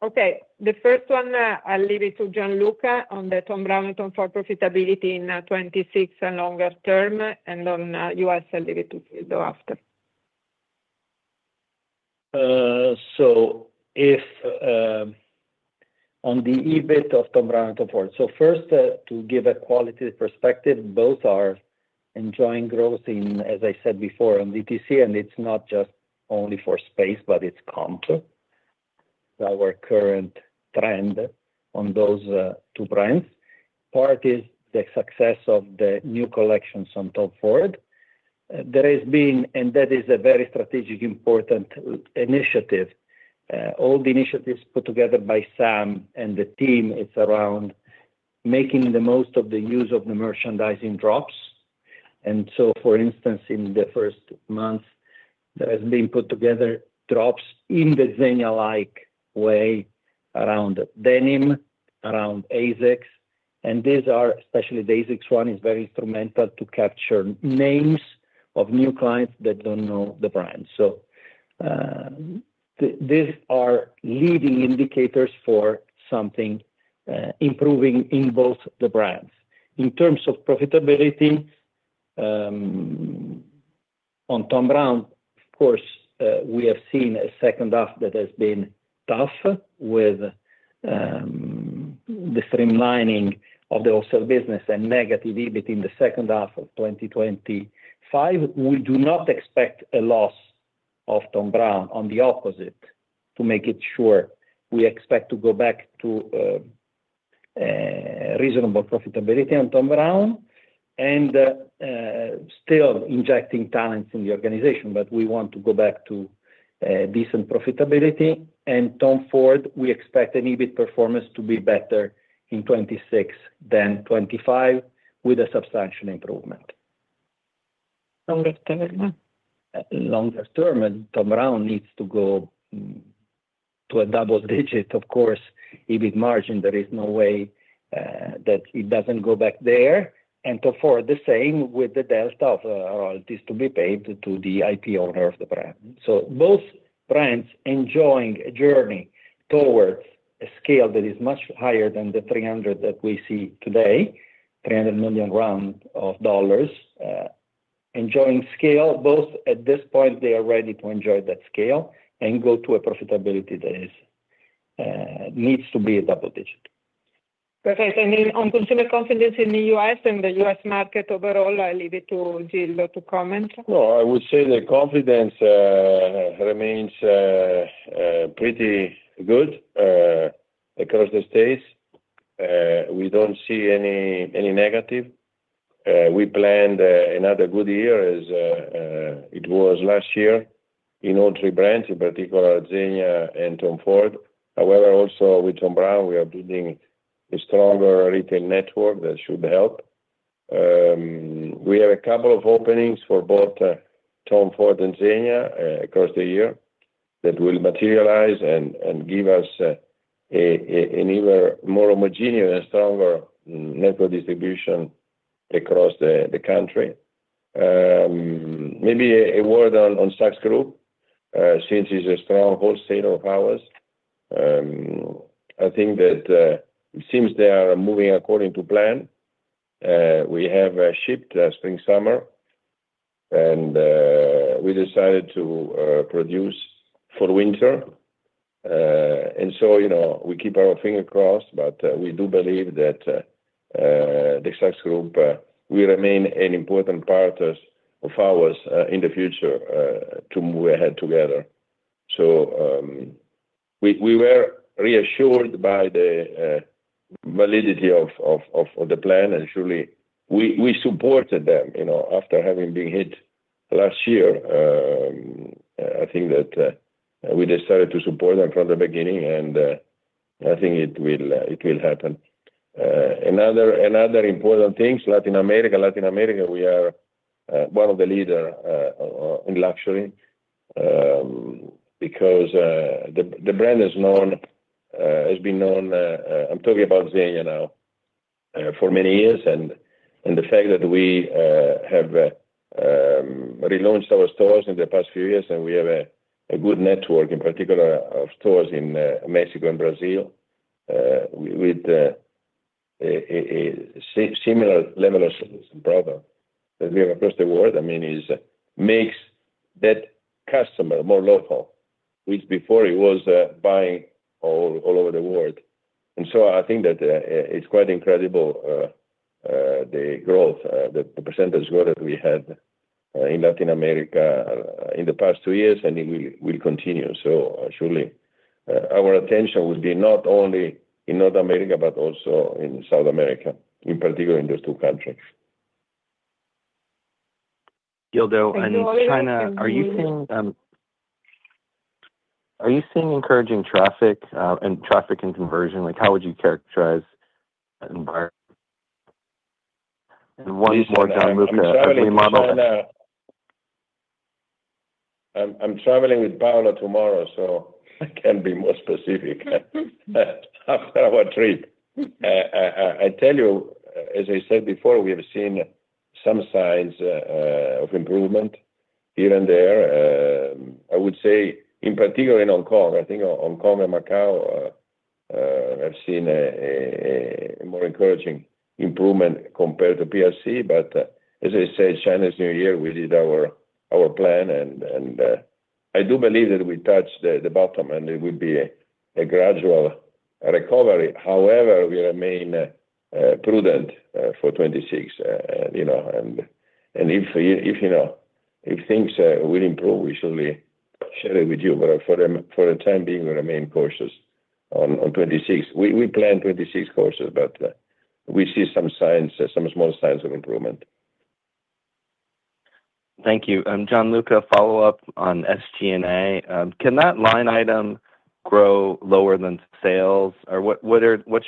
[SPEAKER 4] The first one, I'll leave it to Gianluca on the Thom Browne and Tom Ford profitability in 2026 and longer term, and on U.S., I'll leave it to Gildo after.
[SPEAKER 3] On the EBIT of Thom Browne and Tom Ford. First, to give a qualitative perspective, both are enjoying growth in DTC, as I said before, and it's not just only from space, but it's comps. Our current comp trend on those two brands, part of it is the success of the new collections for Tom Ford. There has been, and that is a very strategically important initiative, all the initiatives put together by Sam and the team are around making the most of the merchandising drops. For instance, in the first month that have been put together, drops in the Zegna-like way around denim, around ASICS, and these are, especially the ASICS one, very instrumental to capture names of new clients that don't know the brand. These are leading indicators for something improving in both the brands. In terms of profitability, on Thom Browne, of course, we have seen a second half that has been tough with the streamlining of the wholesale business and negative EBIT in the second half of 2025. We do not expect a loss of Thom Browne. On the contrary, to make sure we expect to go back to reasonable profitability on Thom Browne and still injecting talents in the organization. We want to go back to decent profitability. Tom Ford, we expect EBIT performance to be better in 2026 than 2025 with a substantial improvement.
[SPEAKER 4] Longer term now?
[SPEAKER 3] Longer term, Thom Browne needs to go to a double digit. Of course, EBIT margin, there is no way that it doesn't go back there. Tom Ford, the same with the drag of royalties to be paid to the IP owner of the brand. Both brands enjoying a journey towards a scale that is much higher than the 300 that we see today, $300 million, enjoying scale. Both, at this point, they are ready to enjoy that scale and go to a profitability that is needs to be a double digit.
[SPEAKER 4] Perfect. On consumer confidence in the U.S. and the U.S. market overall, I'll leave it to Gildo to comment.
[SPEAKER 2] Well, I would say the confidence remains pretty good across the States. We don't see any negative. We planned another good year as it was last year in all three brands, in particular Zegna and Tom Ford. However, also with Thom Browne, we are building a stronger retail network that should help. We have a couple of openings for both Tom Ford and Zegna across the year that will materialize and give us an even more homogeneous and stronger network distribution across the country. Maybe a word on Saks Global, since it's a strong wholesaler of ours. I think that it seems they are moving according to plan. We have shipped spring/summer, and we decided to produce for winter. you know, we keep our fingers crossed, but we do believe that Saks Global will remain an important partner of ours in the future to move ahead together. We were reassured by the validity of the plan, and surely we supported them, you know, after having been hit last year. I think that we decided to support them from the beginning, and I think it will happen. Another important thing, Latin America. Latin America, we are one of the leader in luxury because the brand is known, has been known. I'm talking about Zegna now for many years. The fact that we have relaunched our stores in the past few years, and we have a good network, in particular of stores in Mexico and Brazil, with a similar level of service and product that we have across the world, I mean, it makes that customer more loyal, which before he was buying all over the world. I think that it's quite incredible the growth, the percentage growth that we had in Latin America in the past 2 years, and it will continue. Surely our attention will be not only in North America, but also in South America, in particular in those two countries.
[SPEAKER 9] Gildo, on China, are you seeing encouraging traffic and conversion? Like, how would you characterize that environment? One more time with the free model.
[SPEAKER 2] I'm traveling with Paola tomorrow, so I can be more specific after our trip. I tell you, as I said before, we have seen some signs of improvement here and there. I would say in particular in Hong Kong. I think Hong Kong and Macau have seen a more encouraging improvement compared to PRC. As I said, Chinese New Year, we did our plan and I do believe that we touched the bottom, and it will be a gradual recovery. However, we remain prudent for 2026, you know, and if things will improve, we surely share it with you. For the time being, we remain cautious on 2026. We plan 2026 cautiously, but we see some signs, some small signs of improvement. Thank you. I'm Gianluca. Follow up on SG&A. Can that line item grow lower than sales? Or what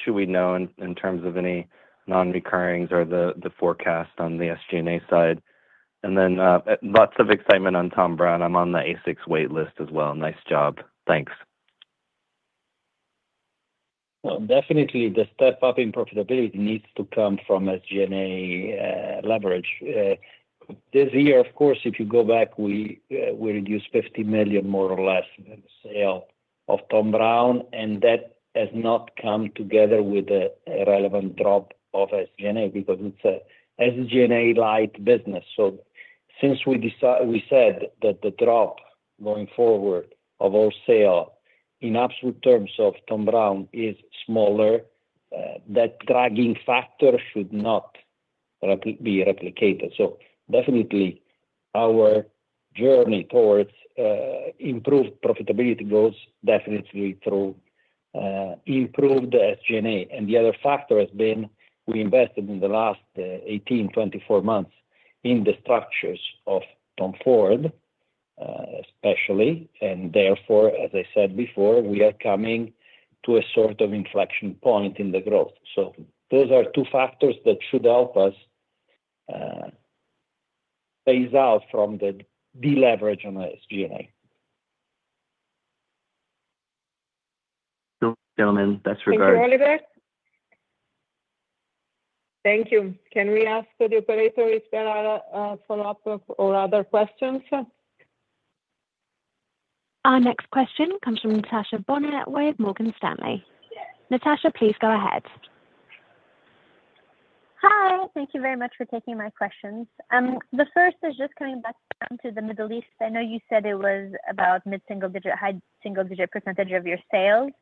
[SPEAKER 2] should we know in terms of any non-recurring or the forecast on the SG&A side? Then, lots of excitement on Thom Browne. I'm on the ASICS wait list as well. Nice job. Thanks.
[SPEAKER 3] Well, definitely the step up in profitability needs to come from SG&A leverage. This year, of course, if you go back, we reduced 50 million more or less from the sale of Thom Browne, and that has not come together with a relevant drop of SG&A because it's a SG&A light business. Since we said that the drop going forward of all sales in absolute terms of Thom Browne is smaller, that dragging factor should not be replicated. Definitely our journey towards improved profitability goes definitely through improved SG&A. The other factor has been we invested in the last 18-24 months in the structures of Tom Ford, especially, and therefore, as I said before, we are coming to a sort of inflection point in the growth. Those are two factors that should help us phase out from the deleverage on the SG&A.
[SPEAKER 2] Gentlemen, best regards.
[SPEAKER 4] Thank you, Oliver. Thank you. Can we ask the operator if there are follow-up or other questions?
[SPEAKER 1] Our next question comes from Natasha Banoori at Morgan Stanley. Natasha, please go ahead.
[SPEAKER 10] Hi. Thank you very much for taking my questions. The first is just coming back down to the Middle East. I know you said it was about mid-single-digit, high single-digit percentage of your sales.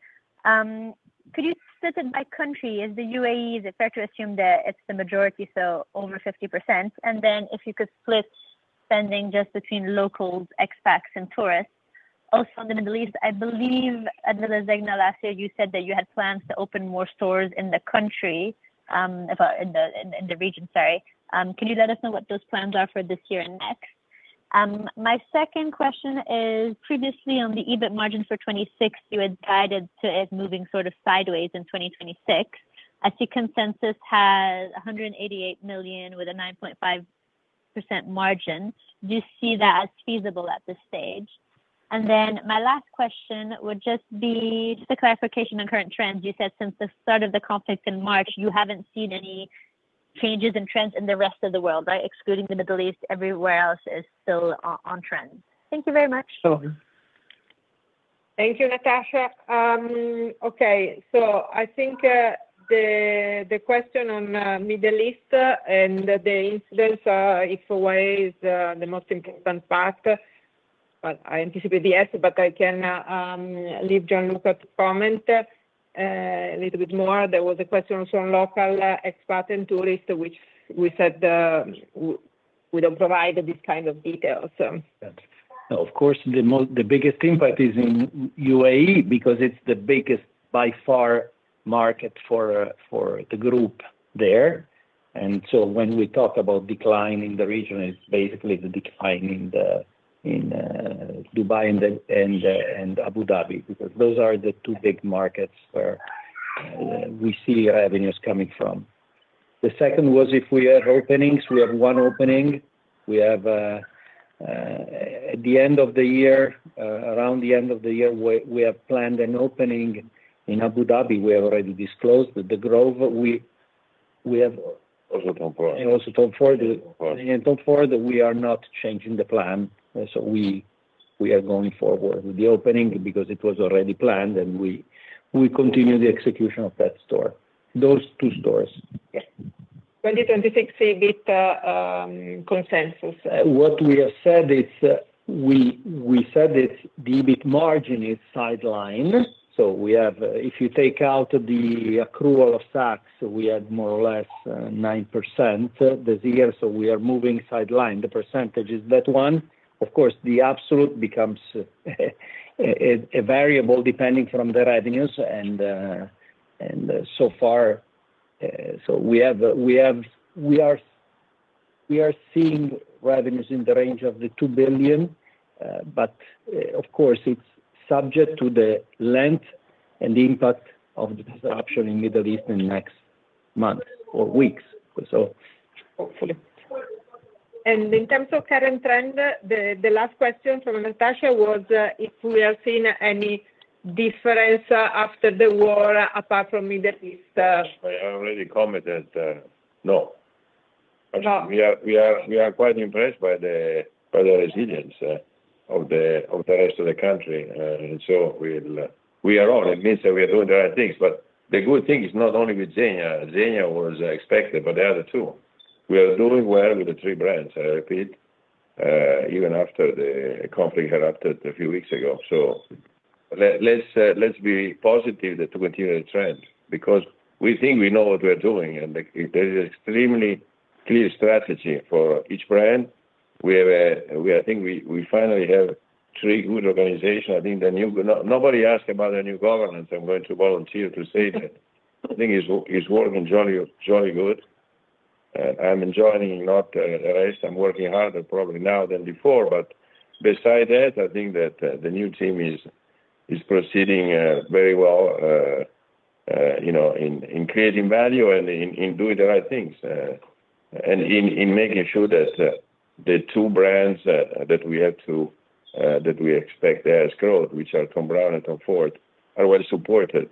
[SPEAKER 10] Could you split it by country? Is the UAE, is it fair to assume that it's the majority, so over 50%? And then if you could split spending just between locals, expats, and tourists. Also in the Middle East, I believe, Gildo Zegna, last year you said that you had plans to open more stores in the country, in the region, sorry. Could you let us know what those plans are for this year and next? My second question is previously on the EBIT margin for 2026, you had guided to it moving sort of sideways in 2026. I see consensus has 188 million with a 9.5% margin. Do you see that as feasible at this stage? My last question would just be a clarification on current trends. You said since the start of the conflict in March, you haven't seen any changes in trends in the rest of the world, right? Excluding the Middle East, everywhere else is still on trend. Thank you very much.
[SPEAKER 4] Thank you, Natasha. I think the question on Middle East and the incidents is the most important part, but I anticipate the answer, but I can leave Gian Luca to comment a little bit more. There was a question from local expert and tourist, which we said we don't provide this kind of details.
[SPEAKER 3] Of course, the biggest impact is in UAE because it's the biggest by far market for the group there. When we talk about decline in the region, it's basically the decline in Dubai and Abu Dhabi, because those are the two big markets where we see revenues coming from. The second was if we have openings, we have one opening. We have planned an opening in Abu Dhabi around the end of the year. We have already disclosed with The Galleria.
[SPEAKER 2] Also Tom Ford.
[SPEAKER 3] also Tom Ford.
[SPEAKER 2] Also, Tom Ford.
[SPEAKER 3] Tom Ford, we are not changing the plan. We are going forward with the opening because it was already planned and we continue the execution of that store, those two stores.
[SPEAKER 4] Yes. 2026 EBIT consensus.
[SPEAKER 3] What we have said is, the EBIT margin is guideline. If you take out the accrual of tax, we had more or less 9% this year, so we are moving guideline. The percentage is that one. Of course, the absolute becomes a variable depending on the revenues. We are seeing revenues in the range of 2 billion. But, of course, it's subject to the length and the impact of the disruption in the Middle East in the next months or weeks. Hopefully.
[SPEAKER 4] In terms of current trend, the last question from Natasha was, if we have seen any difference, after the war apart from Middle East.
[SPEAKER 2] I already commented. No.
[SPEAKER 4] No.
[SPEAKER 2] We are quite impressed by the resilience of the rest of the country. We are on. It means that we are doing the right things. The good thing is not only with Zegna. Zegna was expected, but the other two. We are doing well with the three brands, I repeat, even after the conflict erupted a few weeks ago. Let's be positive to continue the trend because we think we know what we're doing, and there is extremely clear strategy for each brand. I think we finally have three good organization. Nobody asked about the new governance. I'm going to volunteer to say that I think it's working jolly good. I'm enjoying not rest. I'm working harder probably now than before. Besides that, I think that the new team is proceeding very well, you know, in creating value and in doing the right things. And in making sure that the two brands that we expect as growth, which are Thom Browne and Tom Ford, are well supported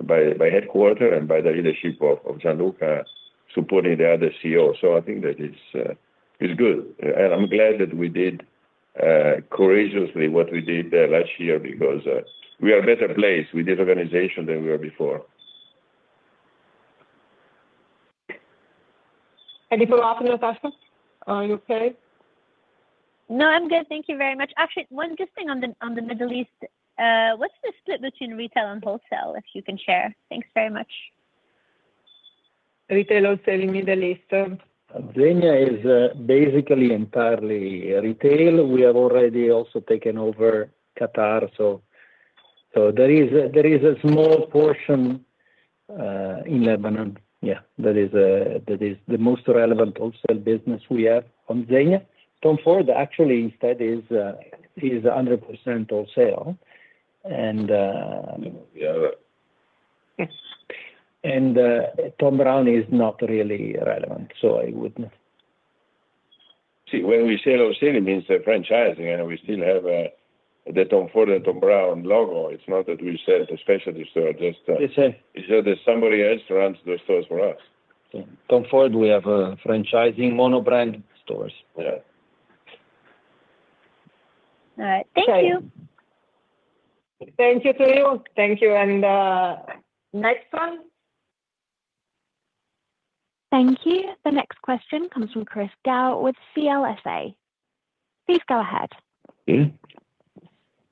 [SPEAKER 2] by headquarters and by the leadership of Gianluca supporting the other CEO. I think that it's good. I'm glad that we did courageously what we did there last year because we are better placed with this organization than we were before.
[SPEAKER 4] Anything to add, Natasha? Are you okay?
[SPEAKER 10] No, I'm good. Thank you very much. Actually, just one thing on the Middle East. What's the split between retail and wholesale, if you can share? Thanks very much.
[SPEAKER 4] Retail or selling Middle East.
[SPEAKER 3] Zegna is basically entirely retail. We have already also taken over Qatar, so there is a small portion in Lebanon that is the most relevant wholesale business we have on Zegna. Tom Ford actually instead is 100% wholesale.
[SPEAKER 2] Yeah.
[SPEAKER 11] Thom Browne is not really relevant, so I wouldn't.
[SPEAKER 2] See, when we say wholesaling means the franchising and we still have, the Tom Ford and Thom Browne logo. It's not that we sell it to specialty store, just,
[SPEAKER 11] Yes, sir.
[SPEAKER 2] It's just that somebody else runs the stores for us.
[SPEAKER 11] Tom Ford, we have franchising mono brand stores.
[SPEAKER 2] Yeah.
[SPEAKER 10] All right. Thank you.
[SPEAKER 4] Thank you. Thank you to you. Thank you. Next one.
[SPEAKER 1] Thank you. The next question comes from Grace Gao with CLSA. Please go ahead.
[SPEAKER 2] Okay.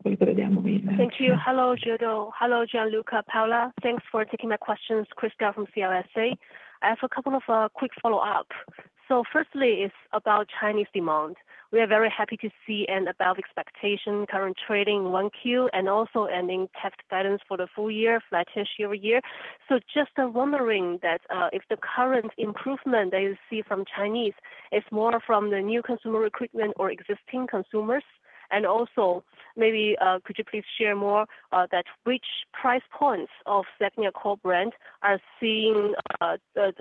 [SPEAKER 11] Thank you. Hello, Gildo. Hello, Gianluca, Paola. Thanks for taking my questions. Grace Gao from CLSA. I have a couple of quick follow-up. Firstly, it's about Chinese demand. We are very happy to see an above expectation current trading Q1 and also in tax guidance for the full year, flat year-over-year. Just wondering that if the current improvement that you see from Chinese is more from the new consumer recruitment or existing consumers. And also maybe could you please share more that which price points of Zegna core brand are seeing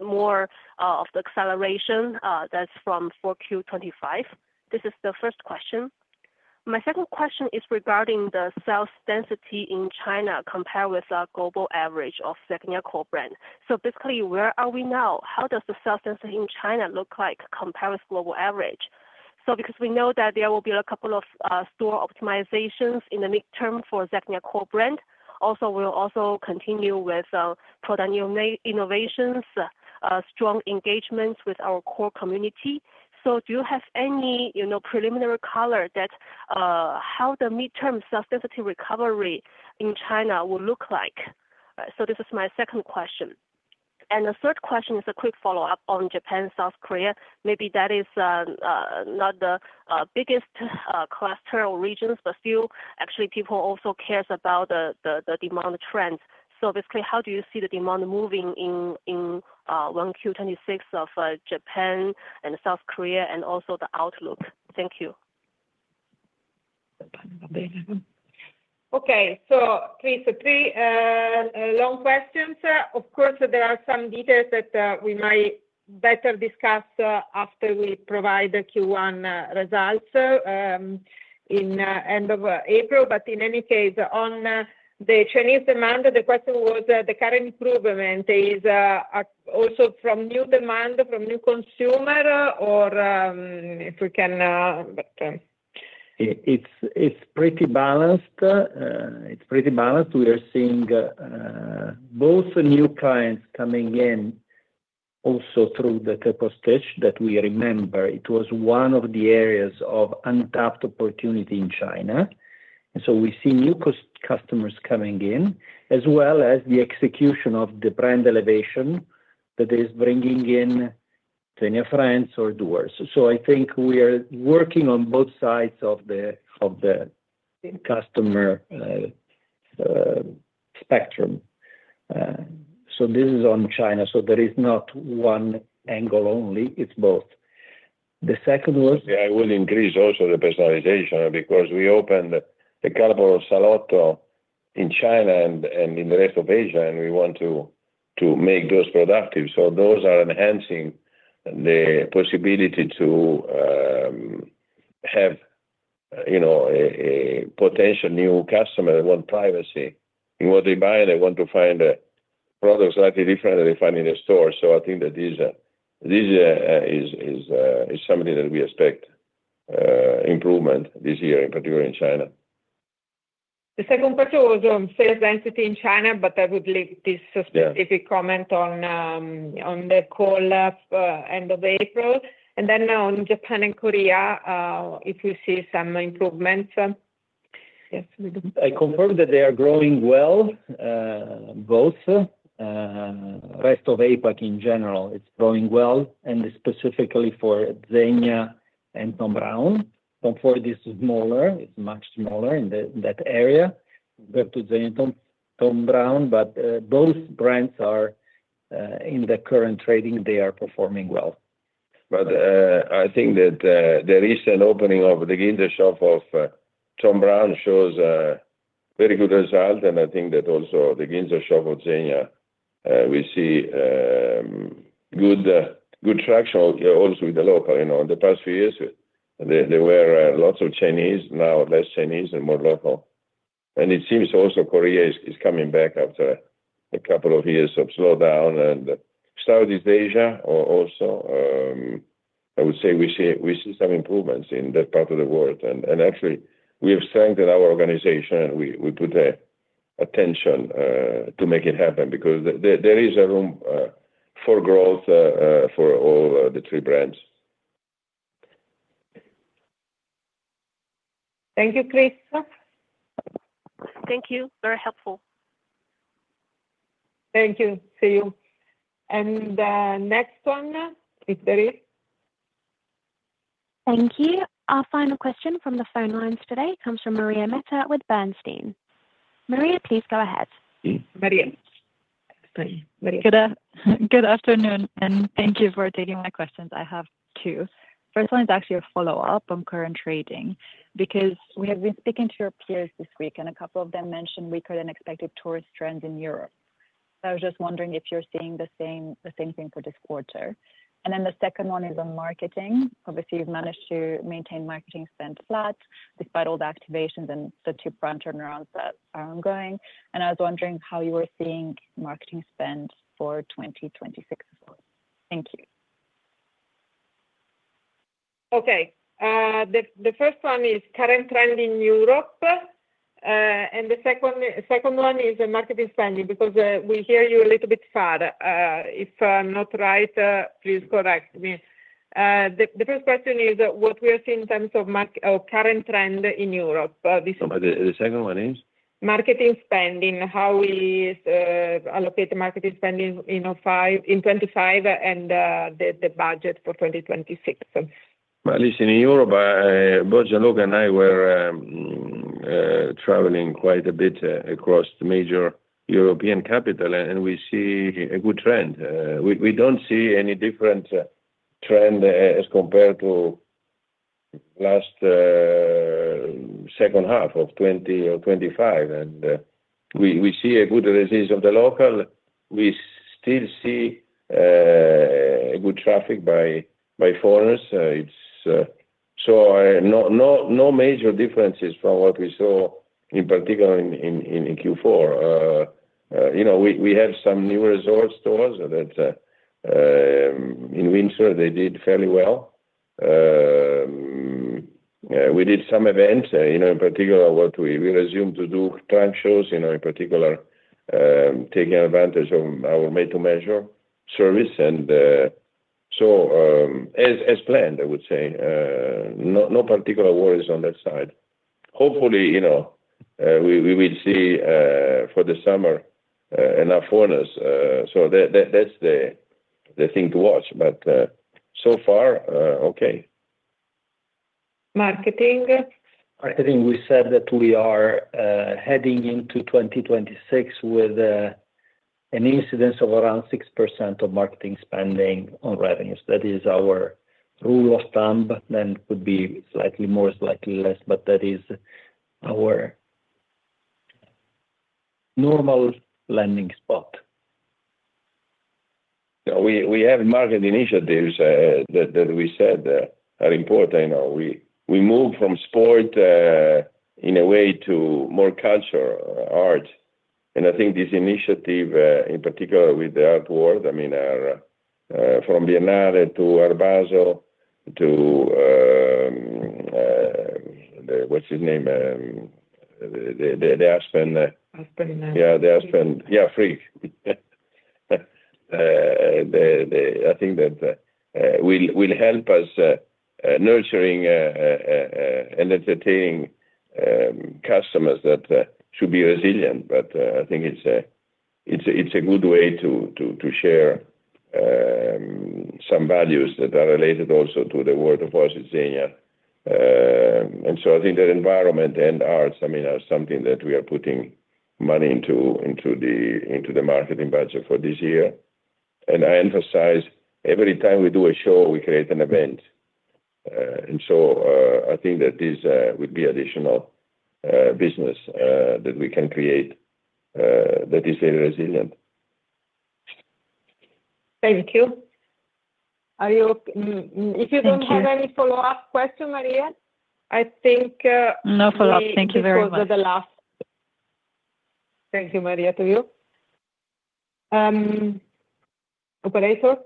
[SPEAKER 11] more of the acceleration that's from Q4 2025. This is the first question. My second question is regarding the sales density in China compared with our global average of Zegna core brand. So basically, where are we now? How does the sales density in China look like compared with global average? Because we know that there will be a couple of store optimizations in the midterm for Zegna core brand. Also, we'll also continue with product innovations, strong engagements with our core community. Do you have any, you know, preliminary color that how the midterm sales density recovery in China will look like? This is my second question. The third question is a quick follow-up on Japan, South Korea. Maybe that is not the biggest collateral regions, but still, actually people also cares about the demand trends. Basically, how do you see the demand moving in 1Q 2026 of Japan and South Korea and also the outlook? Thank you.
[SPEAKER 4] Okay. Chris, three long questions. Of course, there are some details that we might better discuss after we provide the Q1 results in end of April. In any case, on the Chinese demand, the question was the current improvement is also from new demand from new consumer or if we can.
[SPEAKER 3] It's pretty balanced. We are seeing both new clients coming in also through the type of store that we remember. It was one of the areas of untapped opportunity in China. We see new customers coming in, as well as the execution of the brand elevation that is bringing in ZEGNA friends or doors. I think we are working on both sides of the customer spectrum. This is on China, there is not one angle only, it's both. The second was?
[SPEAKER 2] Yeah, I will increase also the personalization because we opened the Zegna Salotto in China and in the rest of Asia, and we want to make those productive. Those are enhancing the possibility to have, you know, a potential new customer want privacy. In what they buy, they want to find products slightly different than they find in a store. I think that this is something that we expect improvement this year, in particular in China.
[SPEAKER 4] The second question was on sales density in China, but I would leave this specific comment on the call, end of April. On Japan and Korea, if you see some improvements.
[SPEAKER 3] I confirm that they are growing well, both rest of APAC in general, it's growing well, and specifically for Zegna. Thom Browne. Tom Ford is smaller, it's much smaller in that area than Zegna, Thom Browne, but those brands are in the current trading, they are performing well.
[SPEAKER 2] I think that the recent opening of the Ginza shop of Thom Browne shows a very good result, and I think that also the Ginza shop of Zegna we see good traction also with the local. You know, in the past few years, there were lots of Chinese, now less Chinese and more local. It seems also Korea is coming back after a couple of years of slowdown. Southeast Asia also, I would say we see some improvements in that part of the world. Actually we have strengthened our organization and we put attention to make it happen because there is a room for growth for all the three brands.
[SPEAKER 4] Thank you, Chris.
[SPEAKER 7] Thank you. Very helpful.
[SPEAKER 4] Thank you. See you. The next one, if there is.
[SPEAKER 1] Thank you. Our final question from the phone lines today comes from Maria Meita with Bernstein. Maria, please go ahead.
[SPEAKER 4] Maria.
[SPEAKER 12] Good afternoon and thank you for taking my questions. I have two. First one is actually a follow-up on current trading because we have been speaking to your peers this week and a couple of them mentioned weaker than expected tourist trends in Europe. I was just wondering if you're seeing the same, the same thing for this quarter. The second one is on marketing. Obviously you've managed to maintain marketing spend flat despite all the activations and the two brand turnarounds that are ongoing. I was wondering how you were seeing marketing spend for 2026 as well. Thank you.
[SPEAKER 4] Okay. The first one is current trend in Europe. The second one is the marketing spending because we hear you a little bit faint. If I'm not right, please correct me. The first question is what we are seeing in terms of current trend in Europe.
[SPEAKER 2] The second one is?
[SPEAKER 4] Marketing spending, how we allocate the marketing spending in 2025 and the budget for 2026.
[SPEAKER 2] Well, listen, in Europe, both Gianluca and I were traveling quite a bit across major European capitals and we see a good trend. We don't see any different trend as compared to last second half of 2024 or 2025 and we see a good resilience of the local. We still see a good traffic by foreigners. It's no major differences from what we saw in particular in Q4. You know, we have some new resort stores that in Windsor they did fairly well. We did some events, you know, in particular what we will resume to do trunk shows, you know, in particular, taking advantage of our made-to-measure service. As planned, I would say. No, no particular worries on that side. Hopefully, you know, we will see for the summer enough foreigners so that that's the thing to watch, but so far, okay.
[SPEAKER 4] Marketing?
[SPEAKER 3] Marketing, we said that we are heading into 2026 with an incidence of around 6% of marketing spending on revenues. That is our rule of thumb and could be slightly more, slightly less, but that is our normal landing spot.
[SPEAKER 2] We have marketing initiatives that we said are important. You know, we moved from sport in a way to more cultural arts. I think this initiative in particular with the art world, I mean, from Biennale to Urbino to the, what's his name? the Aspen-
[SPEAKER 4] Aspen Institute.
[SPEAKER 2] Yeah, the Aspen, yeah, Frieze. I think that will help us nurturing and entertaining customers that should be resilient. I think it's a good way to share some values that are related also to the world of also Zegna. I think that environment and arts, I mean, are something that we are putting money into the marketing budget for this year. I emphasize every time we do a show, we create an event. I think that this would be additional business that we can create that is very resilient.
[SPEAKER 12] Thank you.
[SPEAKER 4] Are you?
[SPEAKER 12] Thank you.
[SPEAKER 4] If you don't have any follow-up question, Maria, I think,
[SPEAKER 12] No follow-up. Thank you very much.
[SPEAKER 4] This was the last. Thank you, Maria, too. Operator?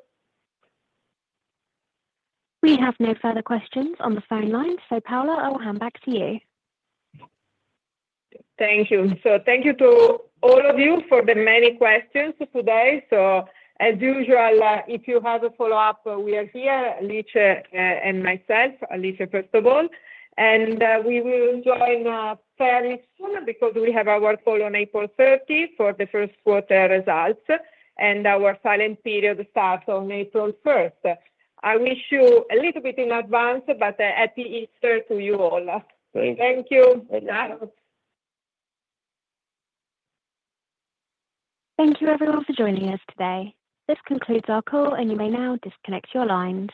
[SPEAKER 1] We have no further questions on the phone line, so Paola, I will hand back to you.
[SPEAKER 4] Thank you to all of you for the many questions today. As usual, if you have a follow-up, we are here, Alice, and myself. Alice, first of all. We will join fairly sooner because we have our call on April 30 for the first quarter results and our silent period starts on April 1. I wish you a little bit in advance, but happy Easter to you all. Thank you. Good night.
[SPEAKER 1] Thank you everyone for joining us today. This concludes our call and you may now disconnect your lines.